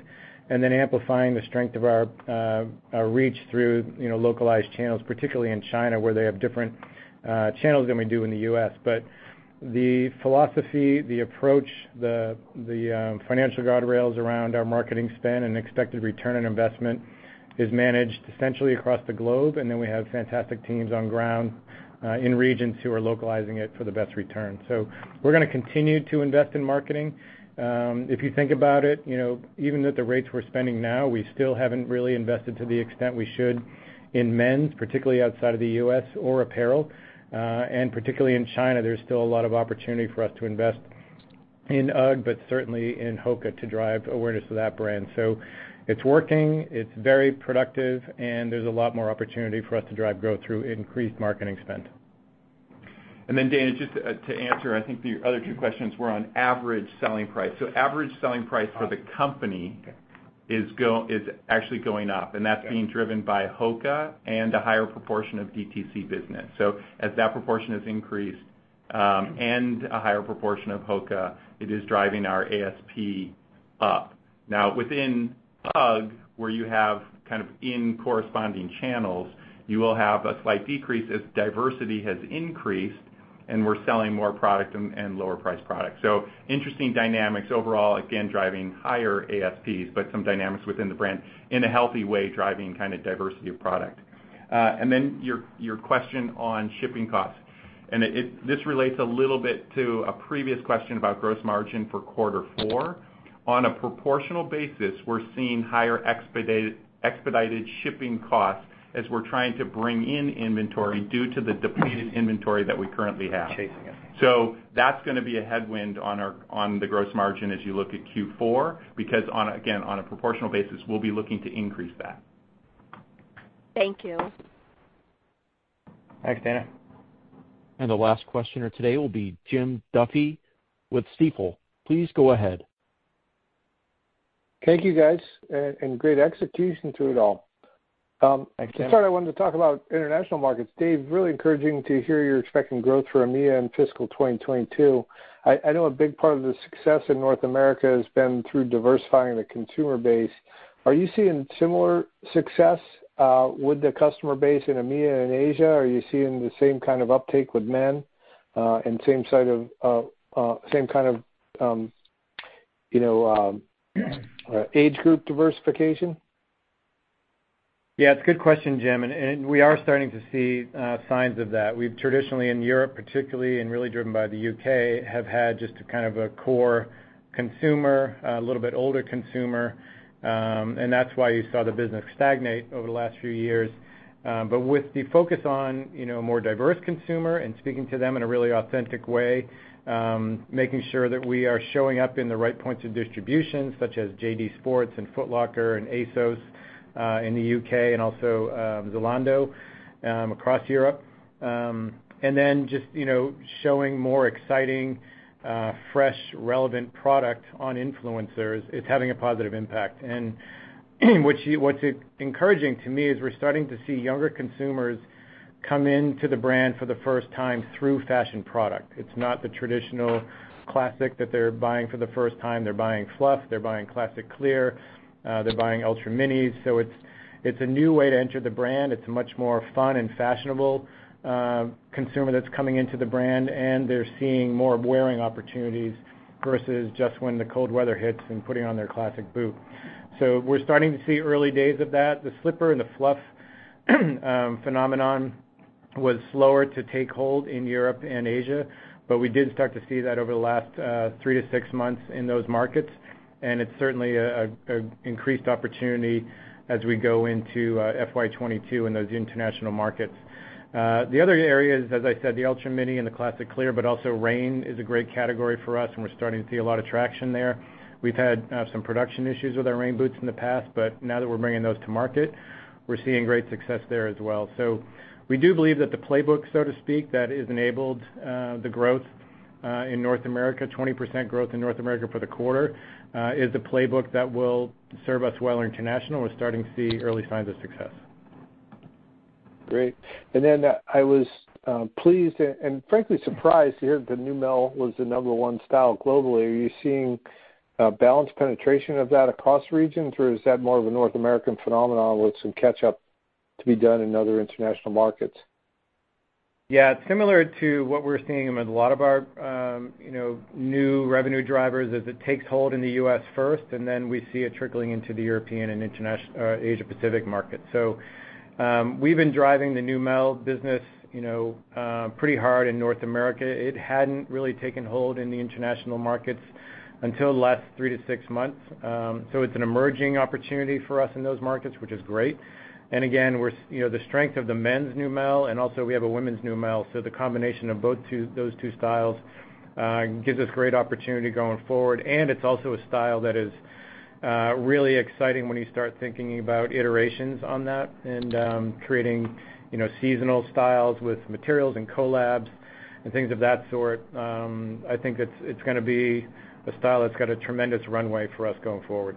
S3: then amplifying the strength of our reach through localized channels, particularly in China, where they have different channels than we do in the U.S. The philosophy, the approach, the financial guardrails around our marketing spend and expected return on investment is managed essentially across the globe, and then we have fantastic teams on ground, in regions who are localizing it for the best return. We're going to continue to invest in marketing. If you think about it, even at the rates we're spending now, we still haven't really invested to the extent we should in men's, particularly outside of the U.S. or apparel. Particularly in China, there's still a lot of opportunity for us to invest in UGG, but certainly in HOKA to drive awareness of that brand. It's working, it's very productive, and there's a lot more opportunity for us to drive growth through increased marketing spend.
S4: Dana, just to answer, I think the other two questions were on average selling price. Average selling price for the company is actually going up, and that's being driven by HOKA and a higher proportion of DTC business. As that proportion has increased, and a higher proportion of HOKA, it is driving our ASP up. Now within UGG, where you have kind of in corresponding channels, you will have a slight decrease as diversity has increased, and we're selling more product and lower-priced product. Interesting dynamics overall, again, driving higher ASPs, but some dynamics within the brand in a healthy way, driving kind of diversity of product. Your question on shipping costs, and this relates a little bit to a previous question about gross margin for quarter four. On a proportional basis, we're seeing higher expedited shipping costs as we're trying to bring in inventory due to the depleted inventory that we currently have.
S3: Chasing it.
S4: That's going to be a headwind on the gross margin as you look at Q4, because again, on a proportional basis, we'll be looking to increase that.
S10: Thank you.
S3: Thanks, Dana.
S1: The last questioner today will be Jim Duffy with Stifel. Please go ahead.
S11: Thank you, guys, and great execution through it all.
S3: Thanks, Jim.
S11: To start, I wanted to talk about international markets. Dave, really encouraging to hear you're expecting growth for EMEA in fiscal 2022. I know a big part of the success in North America has been through diversifying the consumer base. Are you seeing similar success, with the customer base in EMEA and Asia? Are you seeing the same kind of uptake with men, and same kind of age group diversification?
S3: It's a good question, Jim, and we are starting to see signs of that. We've traditionally, in Europe particularly, and really driven by the U.K., have had just a kind of a core consumer, a little bit older consumer, and that's why you saw the business stagnate over the last few years. With the focus on a more diverse consumer and speaking to them in a really authentic way, making sure that we are showing up in the right points of distribution, such as JD Sports and Foot Locker and ASOS, in the U.K. and also, Zalando, across Europe. Just showing more exciting, fresh, relevant product on influencers is having a positive impact. What's encouraging to me is we're starting to see younger consumers come into the brand for the first time through fashion product. It's not the traditional Classic that they're buying for the first time. They're buying Fluff, they're buying Classic Clear, they're buying Ultra Minis. It's a new way to enter the brand. It's a much more fun and fashionable consumer that's coming into the brand, and they're seeing more wearing opportunities versus just when the cold weather hits and putting on their Classic boot. We're starting to see early days of that. The slipper and the Fluff phenomenon was slower to take hold in Europe and Asia, but we did start to see that over the last three to six months in those markets, and it's certainly an increased opportunity as we go into FY 2022 in those international markets. The other areas, as I said, the Ultra Mini and the Classic Clear, but also rain is a great category for us, and we're starting to see a lot of traction there. We've had some production issues with our rain boots in the past, but now that we're bringing those to market, we're seeing great success there as well. We do believe that the playbook, so to speak, that has enabled the growth in North America, 20% growth in North America for the quarter, is the playbook that will serve us well international. We're starting to see early signs of success.
S11: Great. Then I was pleased and frankly surprised to hear the Neumel was the number one style globally. Are you seeing a balanced penetration of that across regions, or is that more of a North American phenomenon with some catch-up to be done in other international markets?
S3: Yeah. It's similar to what we're seeing with a lot of our new revenue drivers, as it takes hold in the U.S. first, and then we see it trickling into the European and Asia Pacific market. We've been driving the Neumel business pretty hard in North America. It hadn't really taken hold in the international markets until the last three to six months. It's an emerging opportunity for us in those markets, which is great. Again, the strength of the men's Neumel, and also we have a women's Neumel, so the combination of both those two styles gives us great opportunity going forward. It's also a style that is really exciting when you start thinking about iterations on that and creating seasonal styles with materials and collabs and things of that sort. I think it's going to be a style that's got a tremendous runway for us going forward.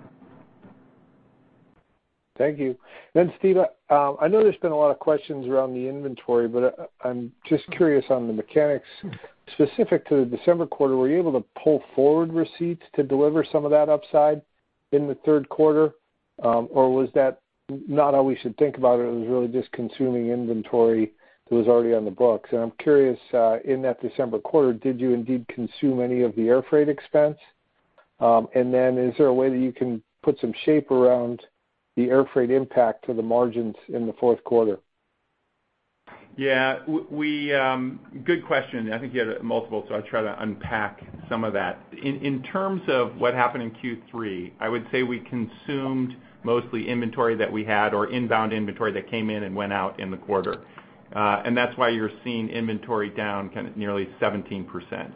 S11: Thank you. Steve, I know there's been a lot of questions around the inventory, but I'm just curious on the mechanics specific to the December quarter. Were you able to pull forward receipts to deliver some of that upside in the third quarter? Or was that not how we should think about it was really just consuming inventory that was already on the books? I'm curious, in that December quarter, did you indeed consume any of the air freight expense? Is there a way that you can put some shape around the air freight impact to the margins in the fourth quarter?
S4: Good question. I think you had multiple, so I'll try to unpack some of that. In terms of what happened in Q3, I would say we consumed mostly inventory that we had or inbound inventory that came in and went out in the quarter. That's why you're seeing inventory down nearly 17%.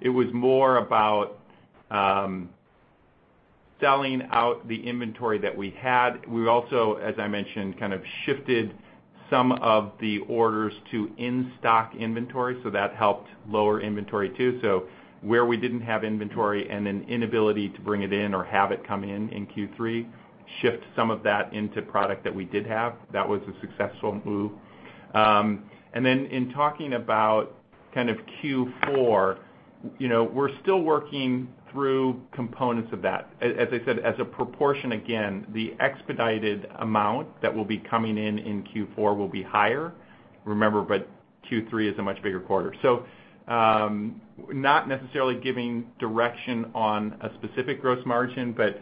S4: It was more about selling out the inventory that we had. We also, as I mentioned, kind of shifted some of the orders to in-stock inventory, so that helped lower inventory too. Where we didn't have inventory and an inability to bring it in or have it come in in Q3, shift some of that into product that we did have. That was a successful move. In talking about Q4, we're still working through components of that. As I said, as a proportion, again, the expedited amount that will be coming in in Q4 will be higher. Q3 is a much bigger quarter. Not necessarily giving direction on a specific gross margin, but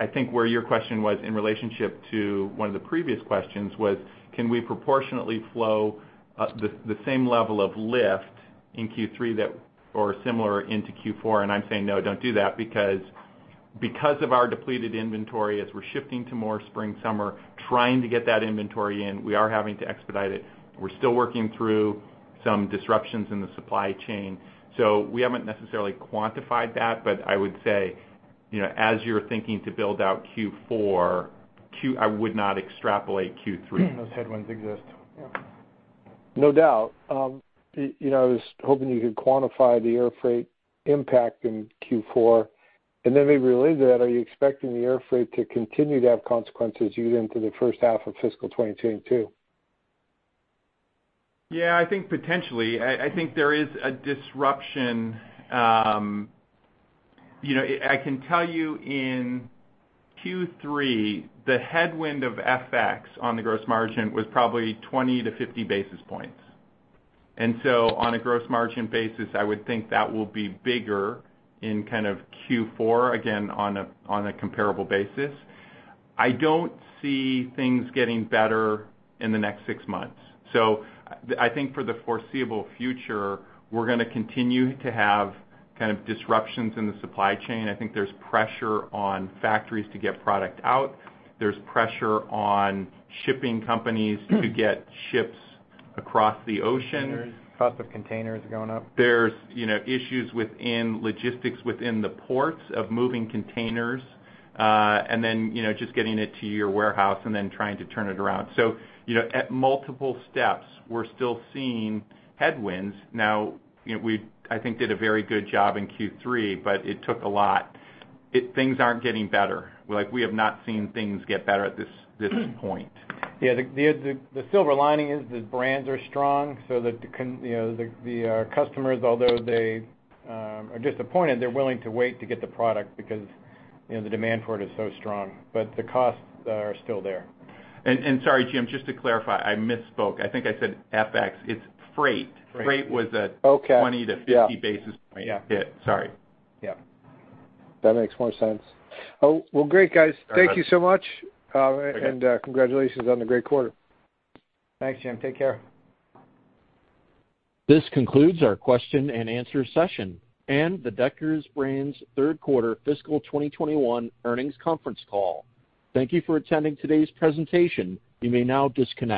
S4: I think where your question was in relationship to one of the previous questions was, can we proportionately flow the same level of lift in Q3 or similar into Q4? I'm saying, no, don't do that because of our depleted inventory, as we're shifting to more spring/summer, trying to get that inventory in, we are having to expedite it. We're still working through some disruptions in the supply chain. We haven't necessarily quantified that, but I would say, as you're thinking to build out Q4, I would not extrapolate Q3.
S3: Those headwinds exist.
S11: Yeah. No doubt. I was hoping you could quantify the air freight impact in Q4. Maybe related to that, are you expecting the air freight to continue to have consequences into the first half of fiscal 2022 too?
S4: Yeah, I think potentially. I think there is a disruption. I can tell you in Q3, the headwind of FX on the gross margin was probably 20 to 50 basis points. On a gross margin basis, I would think that will be bigger in Q4, again, on a comparable basis. I don't see things getting better in the next six months. I think for the foreseeable future, we're going to continue to have disruptions in the supply chain. I think there's pressure on factories to get product out. There's pressure on shipping companies to get ships across the ocean.
S3: Containers. Cost of containers going up.
S4: There's issues within logistics within the ports of moving containers, and then just getting it to your warehouse and then trying to turn it around. At multiple steps, we're still seeing headwinds. Now, we, I think, did a very good job in Q3, but it took a lot. Things aren't getting better. We have not seen things get better at this point.
S3: Yeah. The silver lining is the brands are strong, so the customers, although they are disappointed, they're willing to wait to get the product because the demand for it is so strong. The costs are still there.
S4: Sorry, Jim, just to clarify, I misspoke. I think I said FX. It's freight.
S11: Freight.
S4: Freight was.
S11: Okay
S4: 20 to 50 basis point hit.
S11: Yeah.
S4: Sorry.
S11: Yeah. That makes more sense. Oh, well, great guys. Thank you so much.
S4: Okay.
S11: Congratulations on the great quarter.
S3: Thanks, Jim. Take care.
S1: This concludes our question and answer session and the Deckers Brands third quarter fiscal 2021 earnings conference call. Thank you for attending today's presentation. You may now disconnect.